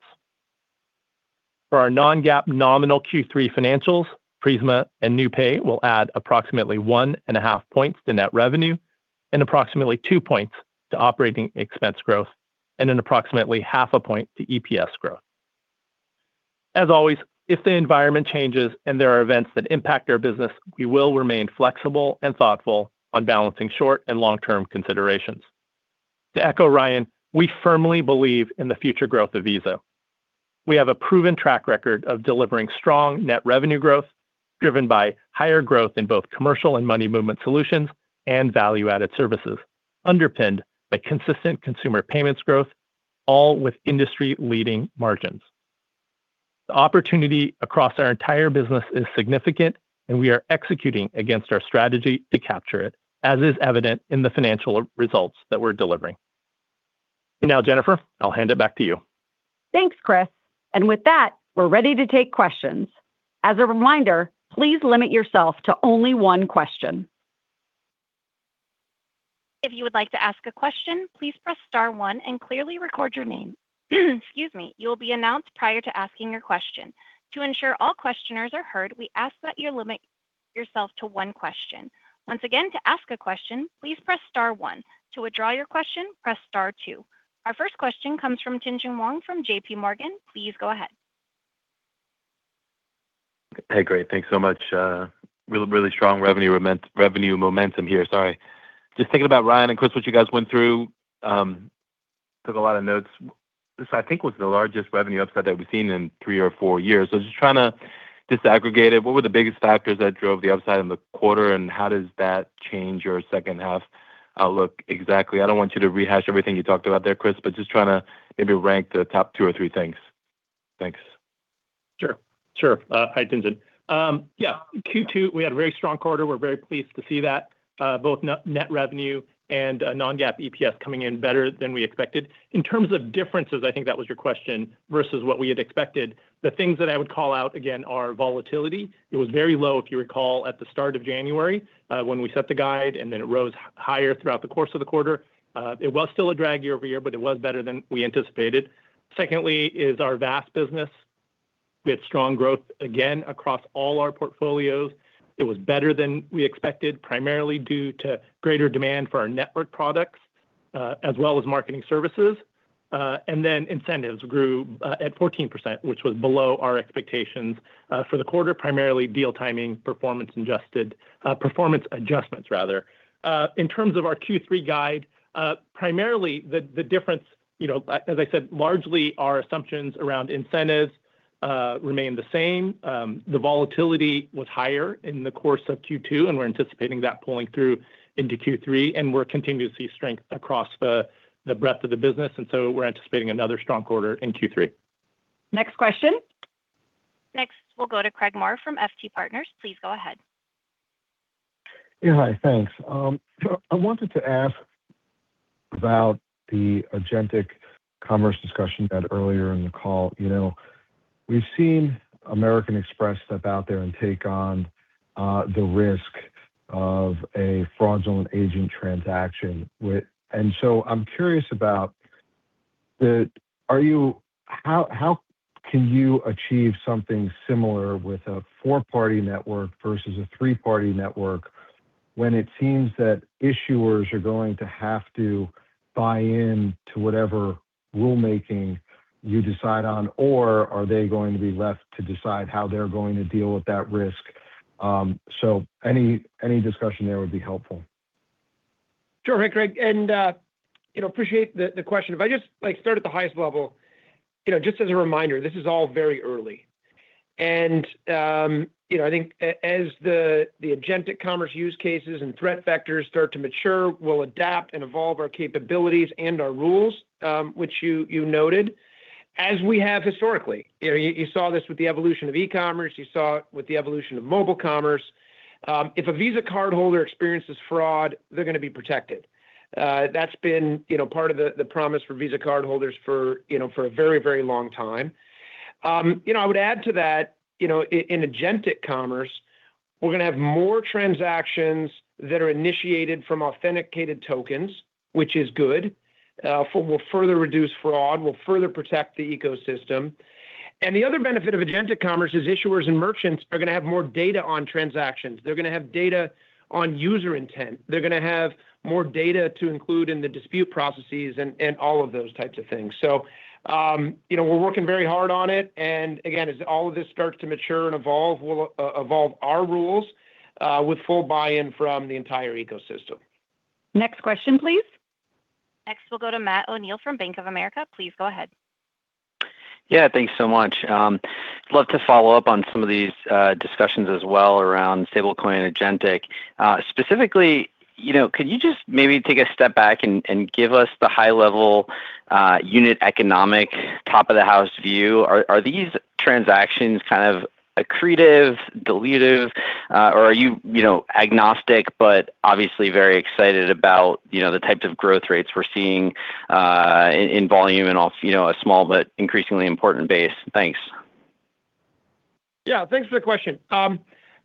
D: For our non-GAAP nominal Q3 financials, Prisma and Newpay will add approximately 1.5 points to net revenue and approximately two points to operating expense growth and an approximately 0.5 points to EPS growth. As always, if the environment changes and there are events that impact our business, we will remain flexible and thoughtful on balancing short and long-term considerations. To echo Ryan, we firmly believe in the future growth of Visa. We have a proven track record of delivering strong net revenue growth driven by higher growth in both commercial and money movement solutions and value-added services underpinned by consistent consumer payments growth, all with industry-leading margins. The opportunity across our entire business is significant, and we are executing against our strategy to capture it, as is evident in the financial results that we're delivering. Now, Jennifer, I'll hand it back to you.
B: Thanks, Chris. With that, we're ready to take questions. As a reminder, please limit yourself to only one question.
A: If you would like to ask a question, please press star one and clearly record your name. Excuse me. You will be announced prior to asking your question. To ensure all questioners are heard, we ask that you limit yourself to one question. Once again, to ask a question, please press star one. To withdraw your question, press star two. Our first question comes from Tien-Tsin Huang from J.P. Morgan. Please go ahead.
E: Hey, great. Thanks so much. really, really strong revenue momentum here, sorry. Just thinking about Ryan and Chris, what you guys went through, took a lot of notes. This, I think, was the largest revenue upside that we've seen in three or four years. Just trying to disaggregate it, what were the biggest factors that drove the upside in the quarter, and how does that change your second half outlook exactly? I don't want you to rehash everything you talked about there, Chris, but just trying to maybe rank the top two or three things. Thanks.
D: Sure. Sure. Hi, Tien-Tsin. Yeah, Q2, we had a very strong quarter. We're very pleased to see that, both net revenue and non-GAAP EPS coming in better than we expected. In terms of differences, I think that was your question, versus what we had expected, the things that I would call out, again, are volatility. It was very low, if you recall, at the start of January, when we set the guide, and then it rose higher throughout the course of the quarter. It was still a drag year-over-year, but it was better than we anticipated. Secondly is our VAST business. We had strong growth, again, across all our portfolios. It was better than we expected, primarily due to greater demand for our network products, as well as marketing services. Then incentives grew at 14%, which was below our expectations for the quarter, primarily deal timing, performance adjusted, performance adjustments rather. In terms of our Q3 guide, primarily the difference, you know, as I said, largely our assumptions around incentives remained the same. The volatility was higher in the course of Q2, and we're anticipating that pulling through into Q3, and we're continuing to see strength across the breadth of the business, and so we're anticipating another strong quarter in Q3.
B: Next question.
A: Next, we'll go to Craig Maurer from FT Partners. Please go ahead.
F: Yeah, hi. Thanks. I wanted to ask about the agentic commerce discussion you had earlier in the call. You know, we've seen American Express step out there and take on the risk of a fraudulent agent transaction with. I'm curious about how can you achieve something similar with a four-party network versus a three-party network when it seems that issuers are going to have to buy in to whatever rulemaking you decide on, or are they going to be left to decide how they're going to deal with that risk? Any, any discussion there would be helpful.
C: Sure, hey, Craig, you know, appreciate the question. If I just, like, start at the highest level, you know, just as a reminder, this is all very early. You know, I think as the agentic commerce use cases and threat vectors start to mature, we'll adapt and evolve our capabilities and our rules, which you noted, as we have historically. You know, you saw this with the evolution of e-commerce. You saw it with the evolution of mobile commerce. If a Visa cardholder experiences fraud, they're gonna be protected. That's been, you know, part of the promise for Visa cardholders for, you know, for a very long time. You know, I would add to that, you know, in agentic commerce, we're gonna have more transactions that are initiated from authenticated tokens, which is good. will further reduce fraud, will further protect the ecosystem. The other benefit of agentic commerce is issuers and merchants are gonna have more data on transactions. They're gonna have data on user intent. They're gonna have more data to include in the dispute processes and all of those types of things. you know, we're working very hard on it. again, as all of this starts to mature and evolve, we'll evolve our rules with full buy-in from the entire ecosystem.
B: Next question please.
A: Next, we'll go to Matt O'Neill from Bank of America. Please go ahead.
G: Yeah. Thanks so much. Love to follow up on some of these discussions as well around stablecoin and agentic. Specifically, you know, could you just maybe take a step back and give us the high-level unit economic top-of-the-house view? Are, are these transactions kind of accretive, dilutive, or are you know, agnostic but obviously very excited about, you know, the types of growth rates we're seeing in volume in off, you know, a small but increasingly important base? Thanks.
C: Yeah. Thanks for the question.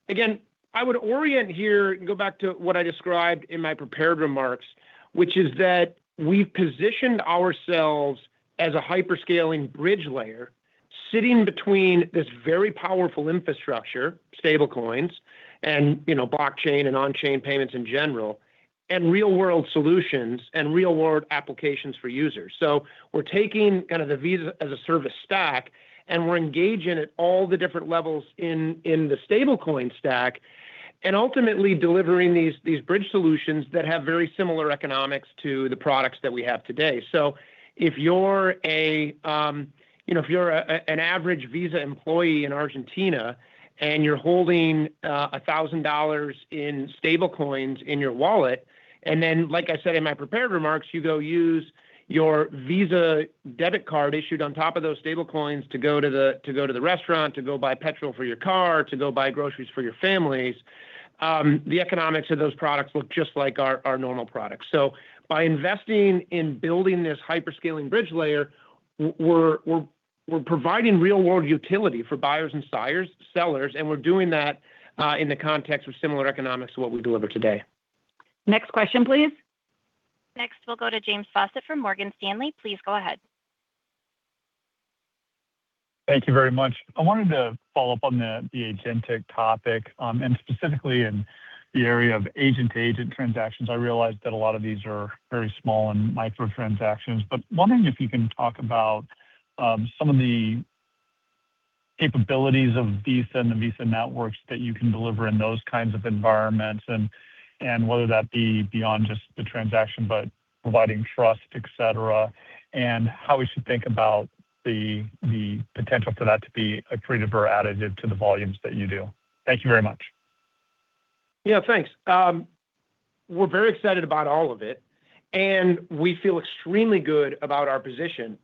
C: Again, I would orient here and go back to what I described in my prepared remarks, which is that we've positioned ourselves as a hyperscaling bridge layer sitting between this very powerful infrastructure, stablecoins, and, you know, blockchain and on-chain payments in general, and real-world solutions and real-world applications for users. We're taking kind of the Visa as a Service stack, and we're engaging at all the different levels in the stablecoin stack, and ultimately delivering these bridge solutions that have very similar economics to the products that we have today. If you're, you know, an average Visa employee in Argentina and you're holding $1,000 in stablecoins in your wallet, and then, like I said in my prepared remarks, you go use your Visa debit card issued on top of those stablecoins to go to the restaurant, to go buy petrol for your car, to go buy groceries for your families, the economics of those products look just like our normal products. By investing in building this hyperscaling bridge layer, we're providing real-world utility for buyers and sellers, and we're doing that in the context of similar economics to what we deliver today.
B: Next question please.
A: Next, we'll go to James Faucette from Morgan Stanley. Please go ahead.
H: Thank you very much. I wanted to follow up on the agentic topic, and specifically in the area of agent-to-agent transactions. I realize that a lot of these are very small and micro transactions. Wondering if you can talk about some of the capabilities of Visa and the Visa networks that you can deliver in those kinds of environments and whether that be beyond just the transaction, but providing trust, et cetera, and how we should think about the potential for that to be accretive or additive to the volumes that you do. Thank you very much.
C: Thanks. We're very excited about all of it, and we feel extremely good about our position.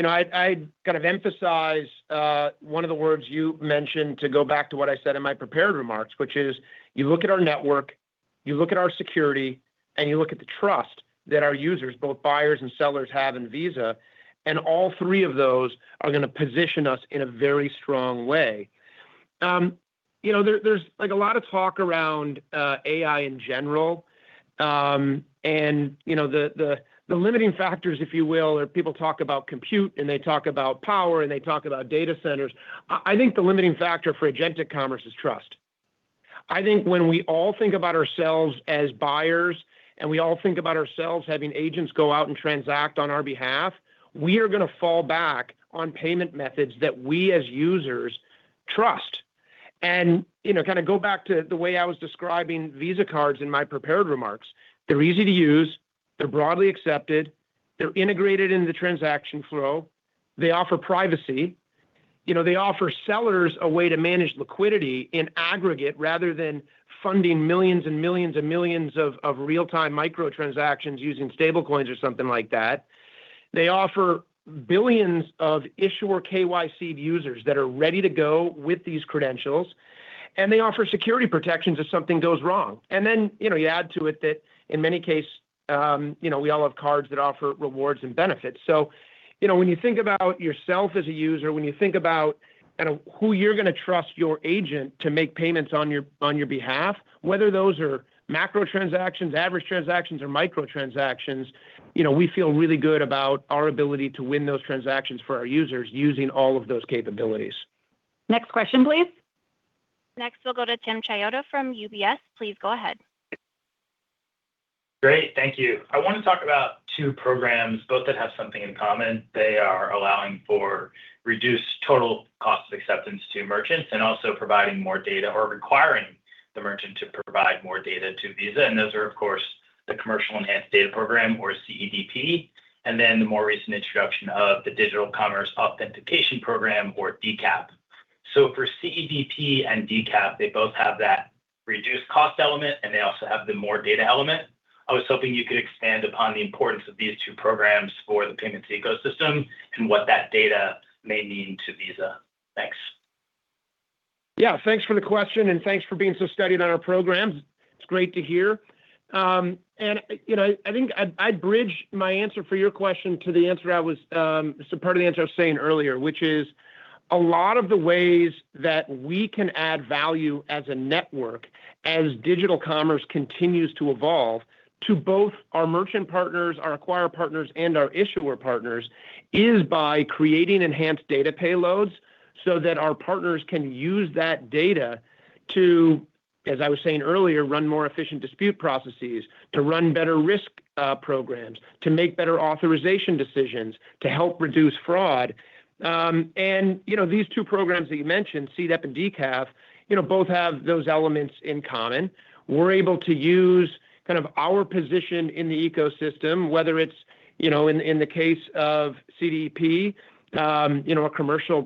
C: You know, I'd kind of emphasize one of the words you mentioned to go back to what I said in my prepared remarks, which is you look at our network, you look at our security, and you look at the trust that our users, both buyers and sellers, have in Visa, and all three of those are gonna position us in a very strong way. You know, there's, like, a lot of talk around AI in general. You know, the limiting factors, if you will, are people talk about compute, and they talk about power, and they talk about data centers. I think the limiting factor for agentic commerce is trust. I think when we all think about ourselves as buyers, and we all think about ourselves having agents go out and transact on our behalf, we are gonna fall back on payment methods that we, as users, trust. You know, kind of go back to the way I was describing Visa cards in my prepared remarks. They're easy to use. They're broadly accepted. They're integrated in the transaction flow. They offer privacy. You know, they offer sellers a way to manage liquidity in aggregate rather than funding millions of real-time micro transactions using stablecoins or something like that. They offer billions of issuer KYC'd users that are ready to go with these credentials, and they offer security protections if something goes wrong. You know, you add to it that in many case, you know, we all have cards that offer rewards and benefits. You know, when you think about yourself as a user, when you think about kind of who you're gonna trust your agent to make payments on your, on your behalf, whether those are macro transactions, average transactions, or micro transactions, you know, we feel really good about our ability to win those transactions for our users using all of those capabilities.
B: Next question please.
A: Next, we'll go to Timothy Chiodo from UBS. Please go ahead.
I: Great. Thank you. I want to talk about two programs, both that have something in common. They are allowing for reduced total cost of acceptance to merchants, and also providing more data or requiring the merchant to provide more data to Visa. Those are, of course, the Commercial Enhanced Data Program or CEDP, and then the more recent introduction of the Digital Commerce Authentication Program or DCAP. For CEDP and DCAP, they both have that reduced cost element, and they also have the more data element. I was hoping you could expand upon the importance of these two programs for the payments ecosystem and what that data may mean to Visa. Thanks.
C: Yeah, thanks for the question, thanks for being so studied on our programs. It's great to hear. You know, I'd bridge my answer for your question to the answer I was, so part of the answer I was saying earlier, which is a lot of the ways that we can add value as a network as digital commerce continues to evolve to both our merchant partners, our acquire partners, and our issuer partners, is by creating enhanced data payloads so that our partners can use that data to, as I was saying earlier, run more efficient dispute processes, to run better risk programs, to make better authorization decisions, to help reduce fraud. You know, these two programs that you mentioned, CEDP and DCAP, you know, both have those elements in common. We're able to use kind of our position in the ecosystem, whether it's, you know, in the case of CEDP, you know, a commercial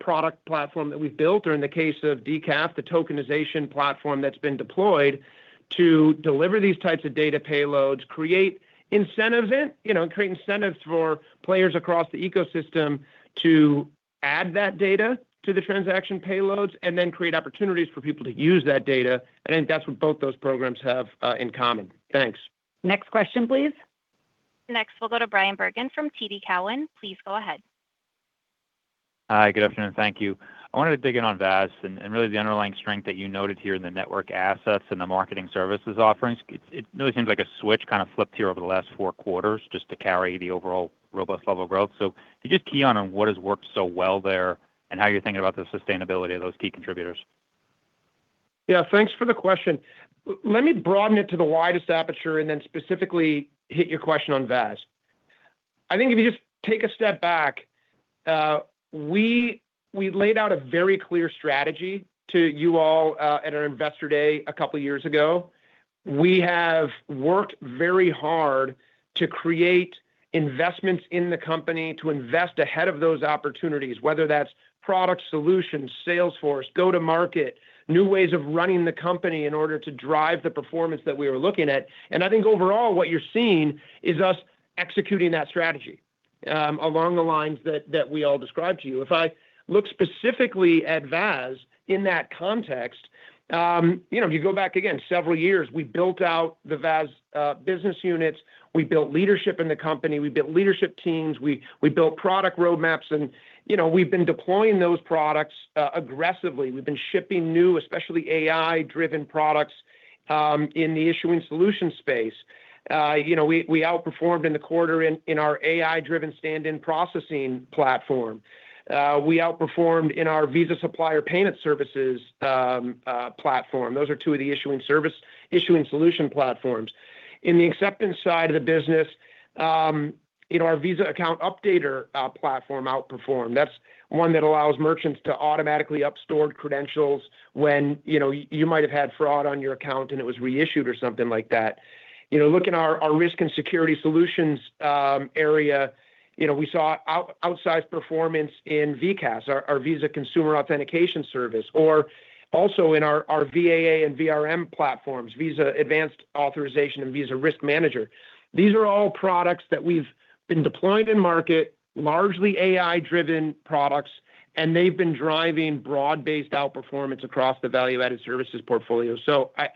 C: product platform that we've built, or in the case of DCAP, the tokenization platform that's been deployed to deliver these types of data payloads, create incentives, you know, create incentives for players across the ecosystem to add that data to the transaction payloads, and then create opportunities for people to use that data. I think that's what both those programs have in common. Thanks.
B: Next question, please.
A: Next, we'll go to Bryan Bergin from TD Cowen. Please go ahead.
J: Hi, good afternoon. Thank you. I wanted to dig in on VAS and really the underlying strength that you noted here in the network assets and the marketing services offerings. It really seems like a switch kinda flipped here over the last four quarters just to carry the overall robust level of growth. Can you just key in on what has worked so well there and how you're thinking about the sustainability of those key contributors?
C: Yeah, thanks for the question. Let me broaden it to the widest aperture and then specifically hit your question on VAS. I think if you just take a step back, we laid out a very clear strategy to you all at our Investor Day two years ago. We have worked very hard to create investments in the company, to invest ahead of those opportunities, whether that's product solutions, salesforce, go-to-market, new ways of running the company in order to drive the performance that we are looking at. I think overall what you're seeing is us executing that strategy along the lines that we all described to you. If I look specifically at VAS in that context, you know, if you go back again several years, we built out the VAS business units, we built leadership in the company, we built leadership teams, we built product roadmaps, and, you know, we've been deploying those products aggressively. We've been shipping new, especially AI-driven products in the issuing solution space. You know, we outperformed in the quarter in our AI-driven stand-in processing platform. We outperformed in our Visa Supplier Payment Services platform. Those are two of the issuing solution platforms. In the acceptance side of the business, you know, our Visa Account Updater platform outperformed. That's one that allows merchants to automatically up stored credentials when, you know, you might have had fraud on your account and it was reissued or something like that. You know, looking at our risk and security solutions area, you know, we saw out-outside performance in VCAS, our Visa Consumer Authentication Service, or also in our VAA and VRM platforms, Visa Advanced Authorization and Visa Risk Manager. These are all products that we've been deploying in market, largely AI-driven products, and they've been driving broad-based outperformance across the value-added services portfolio.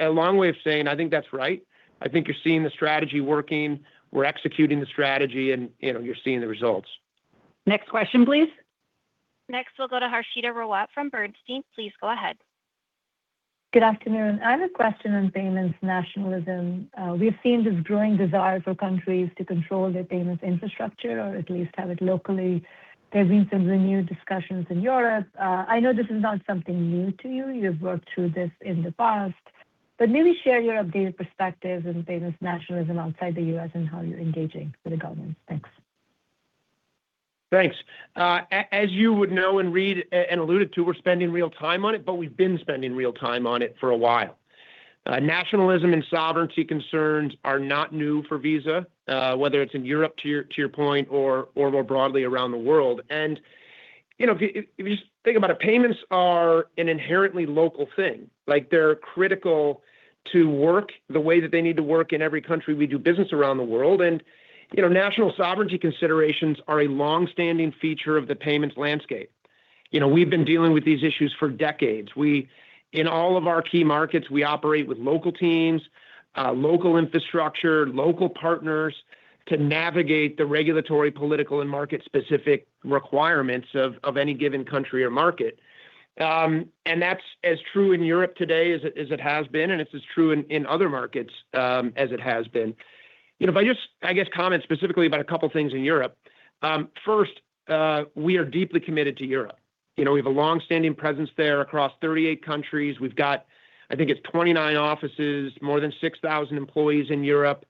C: A long way of saying I think that's right. I think you're seeing the strategy working. We're executing the strategy and, you know, you're seeing the results.
B: Next question, please.
A: Next, we'll go to Harshita Rawat from Bernstein. Please go ahead.
K: Good afternoon. I have a question on payments nationalism. We have seen this growing desire for countries to control their payments infrastructure or at least have it locally. There's been some renewed discussions in Europe. I know this is not something new to you. You've worked through this in the past. Maybe share your updated perspective on payments nationalism outside the U.S. and how you're engaging with the governments. Thanks.
C: Thanks. As you would know and read and alluded to, we're spending real time on it, but we've been spending real time on it for a while. Nationalism and sovereignty concerns are not new for Visa, whether it's in Europe, to your point, or more broadly around the world. You know, if you just think about it, payments are an inherently local thing. Like, they're critical to work the way that they need to work in every country we do business around the world. You know, national sovereignty considerations are a long-standing feature of the payments landscape. You know, we've been dealing with these issues for decades. We, in all of our key markets, we operate with local teams, local infrastructure, local partners to navigate the regulatory, political, and market-specific requirements of any given country or market. That's as true in Europe today as it, as it has been, and it's as true in other markets, as it has been. You know, if I just, I guess, comment specifically about a couple things in Europe. First, we are deeply committed to Europe. You know, we have a long-standing presence there across 38 countries. We've got, I think it's 29 offices, more than 6,000 employees in Europe.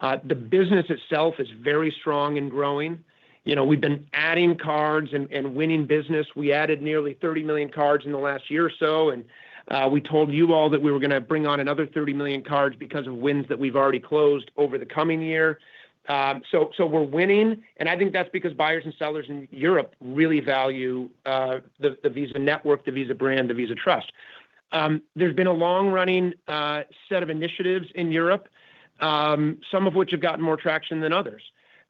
C: The business itself is very strong and growing. You know, we've been adding cards and winning business. We added nearly 30 million cards in the last year or so, and we told you all that we were gonna bring on another 30 million cards because of wins that we've already closed over the coming year. We're winning, I think that's because buyers and sellers in Europe really value the Visa network, the Visa brand, the Visa trust. There's been a long-running set of initiatives in Europe, some of which have gotten more traction than others.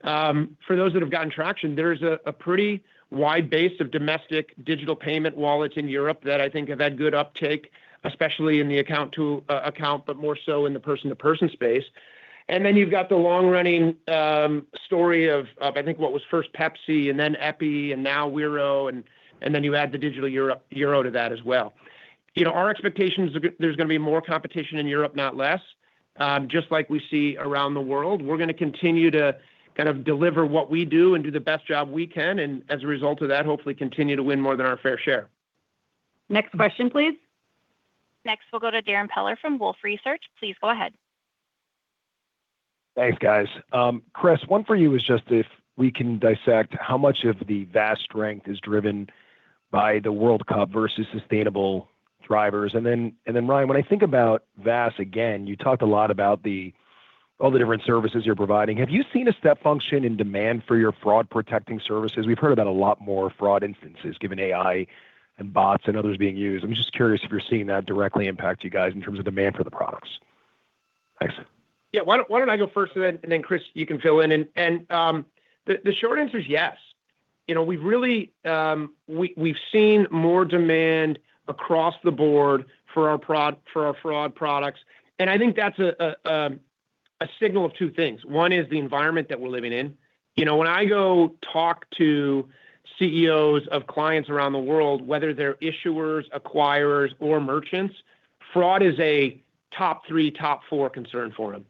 C: For those that have gotten traction, there's a pretty wide base of domestic digital payment wallets in Europe that I think have had good uptake, especially in the account to account, but more so in the person-to-person space. Then you've got the long-running story of I think what was first PEPSI and then EPI and now Wero, then you add the digital euro to that as well. You know, our expectation is there's gonna be more competition in Europe, not less, just like we see around the world. We're gonna continue to kind of deliver what we do and do the best job we can, and as a result of that, hopefully continue to win more than our fair share.
B: Next question please.
A: Next, we'll go to Darrin Peller from Wolfe Research. Please go ahead.
L: Thanks, guys. Chris, one for you is just if we can dissect how much of the VAST strength is driven by the World Cup versus sustainable drivers. Ryan, when I think about VAST, again, you talked a lot about the, all the different services you're providing. Have you seen a step function in demand for your fraud-protecting services? We've heard about a lot more fraud instances given AI and bots and others being used. I'm just curious if you're seeing that directly impact you guys in terms of demand for the products. Thanks.
C: Yeah. Why don't I go first and then Chris, you can fill in. The short answer is yes. You know, we've really seen more demand across the board for our fraud products, and I think that's a signal of two things. One is the environment that we're living in. You know, when I go talk to CEOs of clients around the world, whether they're issuers, acquirers or merchants, fraud is a top three, top four concern for them.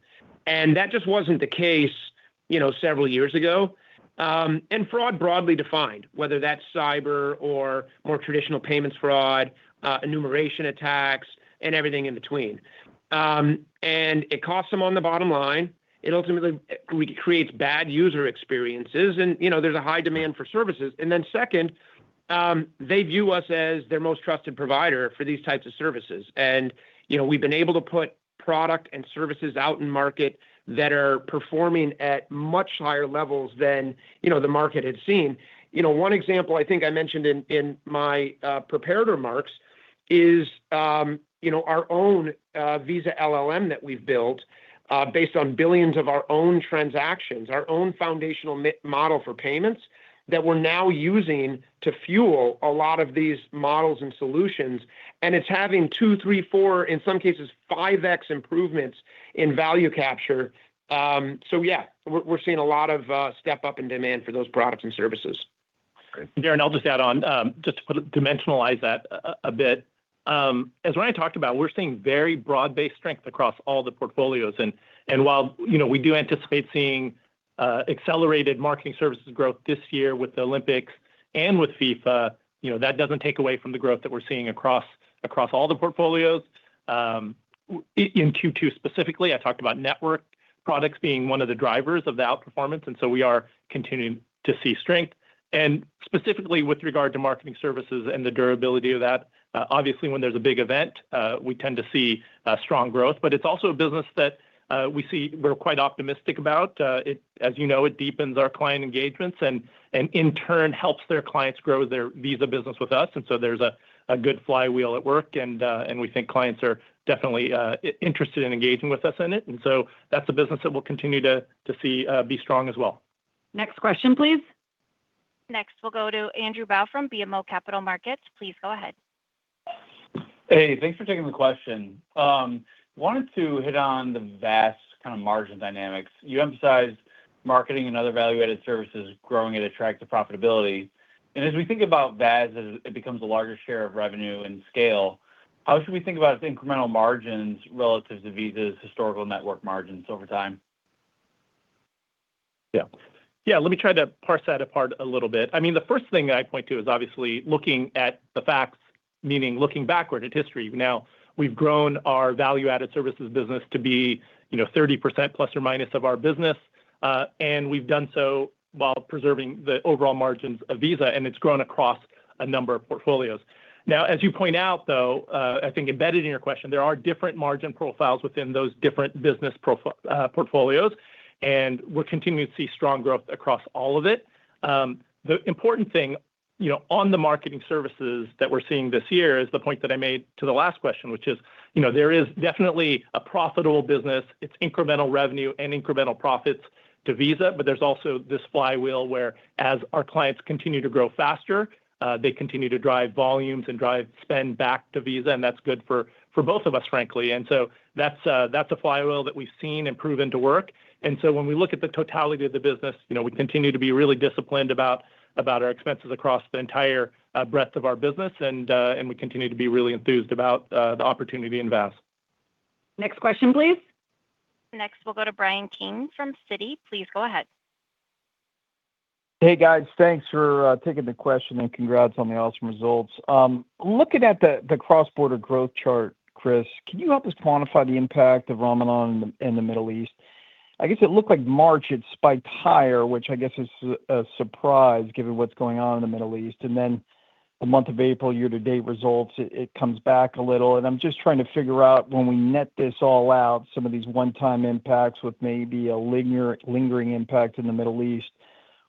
C: That just wasn't the case, you know, several years ago. Fraud broadly defined, whether that's cyber or more traditional payments fraud, enumeration attacks and everything in between. It costs them on the bottom line. It ultimately creates bad user experiences and, you know, there's a high demand for services. Second, they view us as their most trusted provider for these types of services. You know, we've been able to put product and services out in market that are performing at much higher levels than, you know, the market had seen. You know, one example I think I mentioned in my prepared remarks is, you know, our own Visa LLM that we've built, based on billions of our own transactions, our own foundational model for payments that we're now using to fuel a lot of these models and solutions, and it's having two, three, four in some cases, 5x improvements in value capture. Yeah, we're seeing a lot of step up in demand for those products and services.
L: Great.
D: Darrin, I'll just dimensionalize that a bit. As Ryan talked about, we're seeing very broad-based strength across all the portfolios and, while, you know, we do anticipate seeing accelerated marketing services growth this year with the Olympics and with FIFA, you know, that doesn't take away from the growth that we're seeing across all the portfolios. In Q2 specifically, I talked about network products being one of the drivers of the outperformance, and so we are continuing to see strength. Specifically with regard to marketing services and the durability of that, obviously when there's a big event, we tend to see strong growth, but it's also a business that we're quite optimistic about. You know, it deepens our client engagements and in turn helps their clients grow their Visa business with us. So there's a good flywheel at work and we think clients are definitely interested in engaging with us in it. That's a business that we'll continue to see be strong as well.
B: Next question please.
A: Next, we'll go to Andrew Bauch from BMO Capital Markets. Please go ahead.
M: Hey, thanks for taking the question. Wanted to hit on the VAST kind of margin dynamics. You emphasized marketing and other value-added services growing at attractive profitability. As we think about VAST as it becomes a larger share of revenue and scale, how should we think about its incremental margins relative to Visa's historical network margins over time?
D: Yeah. Yeah, let me try to parse that apart a little bit. I mean, the first thing that I point to is obviously looking at the facts, meaning looking backward at history. Now, we've grown our value-added services business to be, you know, 30% plus or minus of our business, and we've done so while preserving the overall margins of Visa, and it's grown across a number of portfolios. Now, as you point out though, I think embedded in your question, there are different margin profiles within those different business portfolios, and we're continuing to see strong growth across all of it. The important thing, you know, on the marketing services that we're seeing this year is the point that I made to the last question, which is, you know, there is definitely a profitable business. It's incremental revenue and incremental profits to Visa, but there's also this flywheel where as our clients continue to grow faster, they continue to drive volumes and drive spend back to Visa, and that's good for both of us, frankly. That's a flywheel that we've seen and proven to work. When we look at the totality of the business, you know, we continue to be really disciplined about our expenses across the entire breadth of our business and we continue to be really enthused about the opportunity in VAST.
B: Next question please.
A: Next, we'll go to Bryan Keane from Citi. Please go ahead.
N: Hey, guys. Thanks for taking the question, congrats on the awesome results. Looking at the cross-border growth chart, Chris, can you help us quantify the impact of Ramadan in the Middle East? I guess it looked like March it spiked higher, which I guess is a surprise given what's going on in the Middle East. Then the month of April year-to-date results it comes back a little. I'm just trying to figure out when we net this all out, some of these one-time impacts with maybe a lingering impact in the Middle East,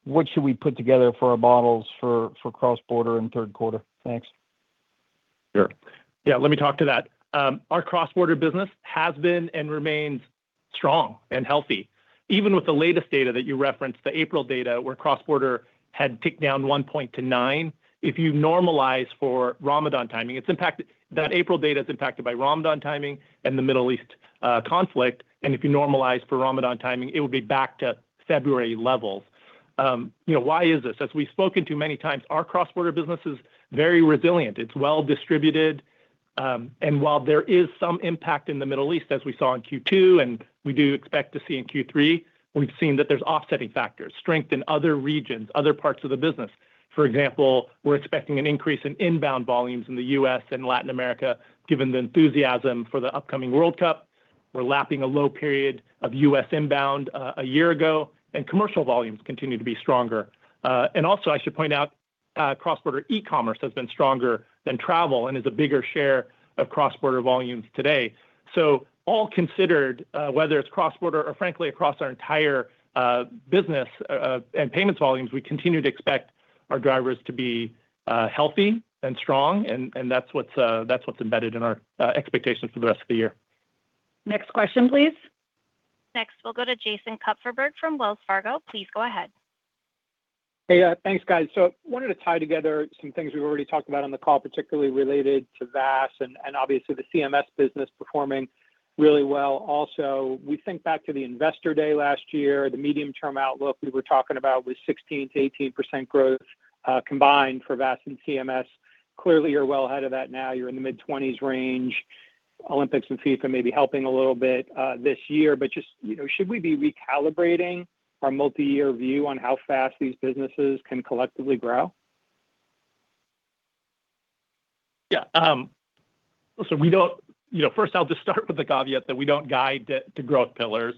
N: what should we put together for our models for cross-border in third quarter? Thanks.
D: Sure. Yeah, let me talk to that. Our cross-border business has been and remains strong and healthy. Even with the latest data that you referenced, the April data where cross-border had ticked down one point to nine, if you normalize for Ramadan timing, that April data is impacted by Ramadan timing and the Middle East conflict, and if you normalize for Ramadan timing, it would be back to February levels. You know, why is this? As we've spoken to many times, our cross-border business is very resilient. It's well-distributed. While there is some impact in the Middle East as we saw in Q2 and we do expect to see in Q3, we've seen that there's offsetting factors, strength in other regions, other parts of the business. For example, we're expecting an increase in inbound volumes in the U.S. and Latin America given the enthusiasm for the upcoming World Cup. We're lapping a low period of U.S. inbound a year ago, and commercial volumes continue to be stronger. And also I should point out, cross-border e-commerce has been stronger than travel and is a bigger share of cross-border volumes today. All considered, whether it's cross-border or frankly across our entire business and payments volumes, we continue to expect our drivers to be healthy and strong and that's what's that's what's embedded in our expectations for the rest of the year.
B: Next question please.
A: We'll go to Jason Kupferberg from Wells Fargo. Please go ahead.
O: Hey. Thanks, guys. Wanted to tie together some things we've already talked about on the call, particularly related to VAS and obviously the CMS business performing really well. We think back to the Investor Day last year, the medium-term outlook we were talking about was 16%-18% growth combined for VAS and CMS. Clearly you're well ahead of that now. You're in the mid-20s range. Olympics and FIFA may be helping a little bit this year. Just, you know, should we be recalibrating our multi-year view on how fast these businesses can collectively grow?
D: Yeah. You know, first I'll just start with the caveat that we don't guide to growth pillars.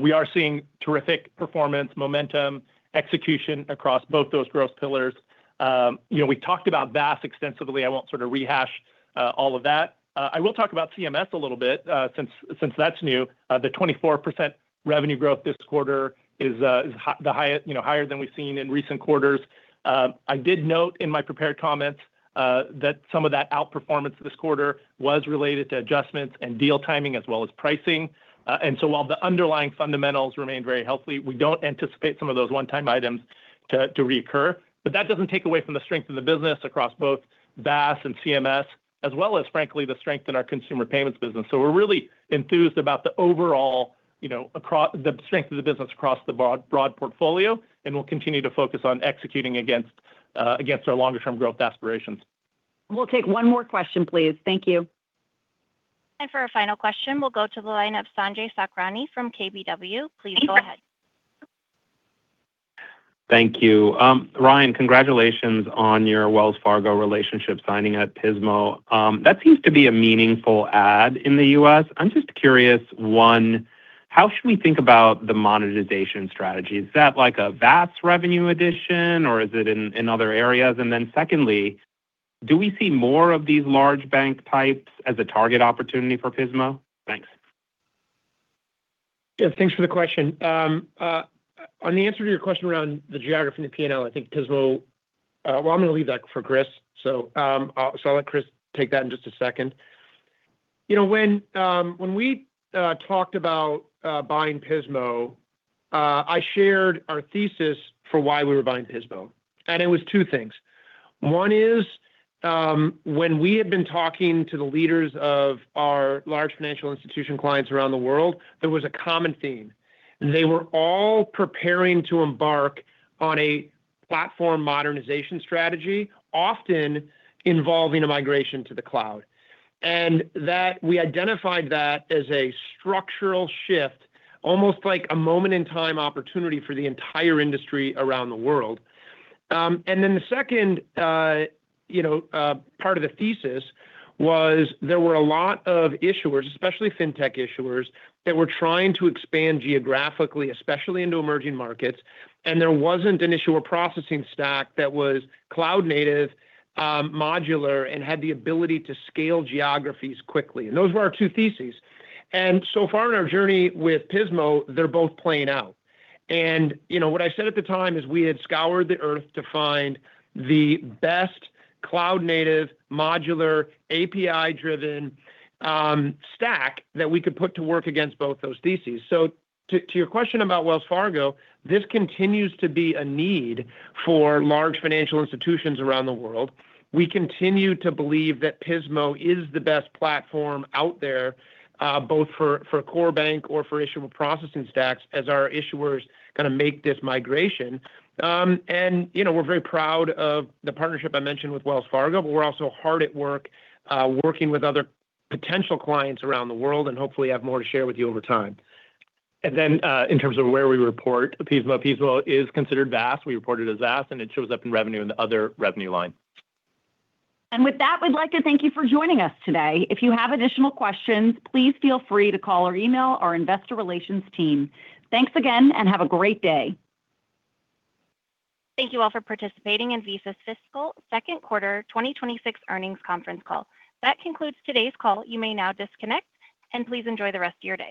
D: We are seeing terrific performance, momentum, execution across both those growth pillars. You know, we talked about VAS extensively. I won't sort of rehash all of that. I will talk about CMS a little bit since that's new. The 24% revenue growth this quarter is the highest, you know, higher than we've seen in recent quarters. I did note in my prepared comments that some of that outperformance this quarter was related to adjustments and deal timing as well as pricing. While the underlying fundamentals remain very healthy, we don't anticipate some of those one-time items to reoccur. That doesn't take away from the strength of the business across both VAS and CMS, as well as frankly the strength in our consumer payments business. We're really enthused about the overall strength of the business across the broad portfolio, and we'll continue to focus on executing against our longer term growth aspirations.
B: We'll take one more question please. Thank you.
A: For our final question, we'll go to the line of Sanjay Sakhrani from KBW. Please go ahead.
P: Thank you. Ryan, congratulations on your Wells Fargo relationship signing at Pismo. That seems to be a meaningful ad in the U.S. I'm just curious, one, how should we think about the monetization strategy? Is that like a VAS revenue addition or is it in other areas? Secondly, do we see more of these large bank types as a target opportunity for Pismo? Thanks.
C: Yeah, thanks for the question. On the answer to your question around the geography and the P&L, I think Pismo. Well, I'm gonna leave that for Chris. I'll let Chris take that in just a second. You know, when we talked about buying Pismo, I shared our thesis for why we were buying Pismo, and it was two things. One is, when we had been talking to the leaders of our large financial institution clients around the world, there was a common theme. They were all preparing to embark on a platform modernization strategy, often involving a migration to the cloud. That, we identified that as a structural shift, almost like a moment in time opportunity for the entire industry around the world. The second, you know, part of the thesis was there were a lot of issuers, especially fintech issuers, that were trying to expand geographically, especially into emerging markets, and there wasn't an issuer processing stack that was cloud native, modular, and had the ability to scale geographies quickly. Those were our two theses. So far in our journey with Pismo, they're both playing out. You know, what I said at the time is we had scoured the Earth to find the best cloud native, modular, API-driven stack that we could put to work against both those theses. To your question about Wells Fargo, this continues to be a need for large financial institutions around the world. We continue to believe that Pismo is the best platform out there, both for a core bank or for issuer processing stacks as our issuers kinda make this migration. You know, we're very proud of the partnership I mentioned with Wells Fargo, but we're also hard at work working with other potential clients around the world, and hopefully have more to share with you over time. In terms of where we report Pismo is considered VAS.
D: We report it as VAS, and it shows up in revenue in the other revenue line.
B: With that, we'd like to thank you for joining us today. If you have additional questions, please feel free to call or email our investor relations team. Thanks again. Have a great day.
A: Thank you all for participating in Visa's fiscal second quarter 2026 earnings conference call. That concludes today's call. You may now disconnect and please enjoy the rest of your day.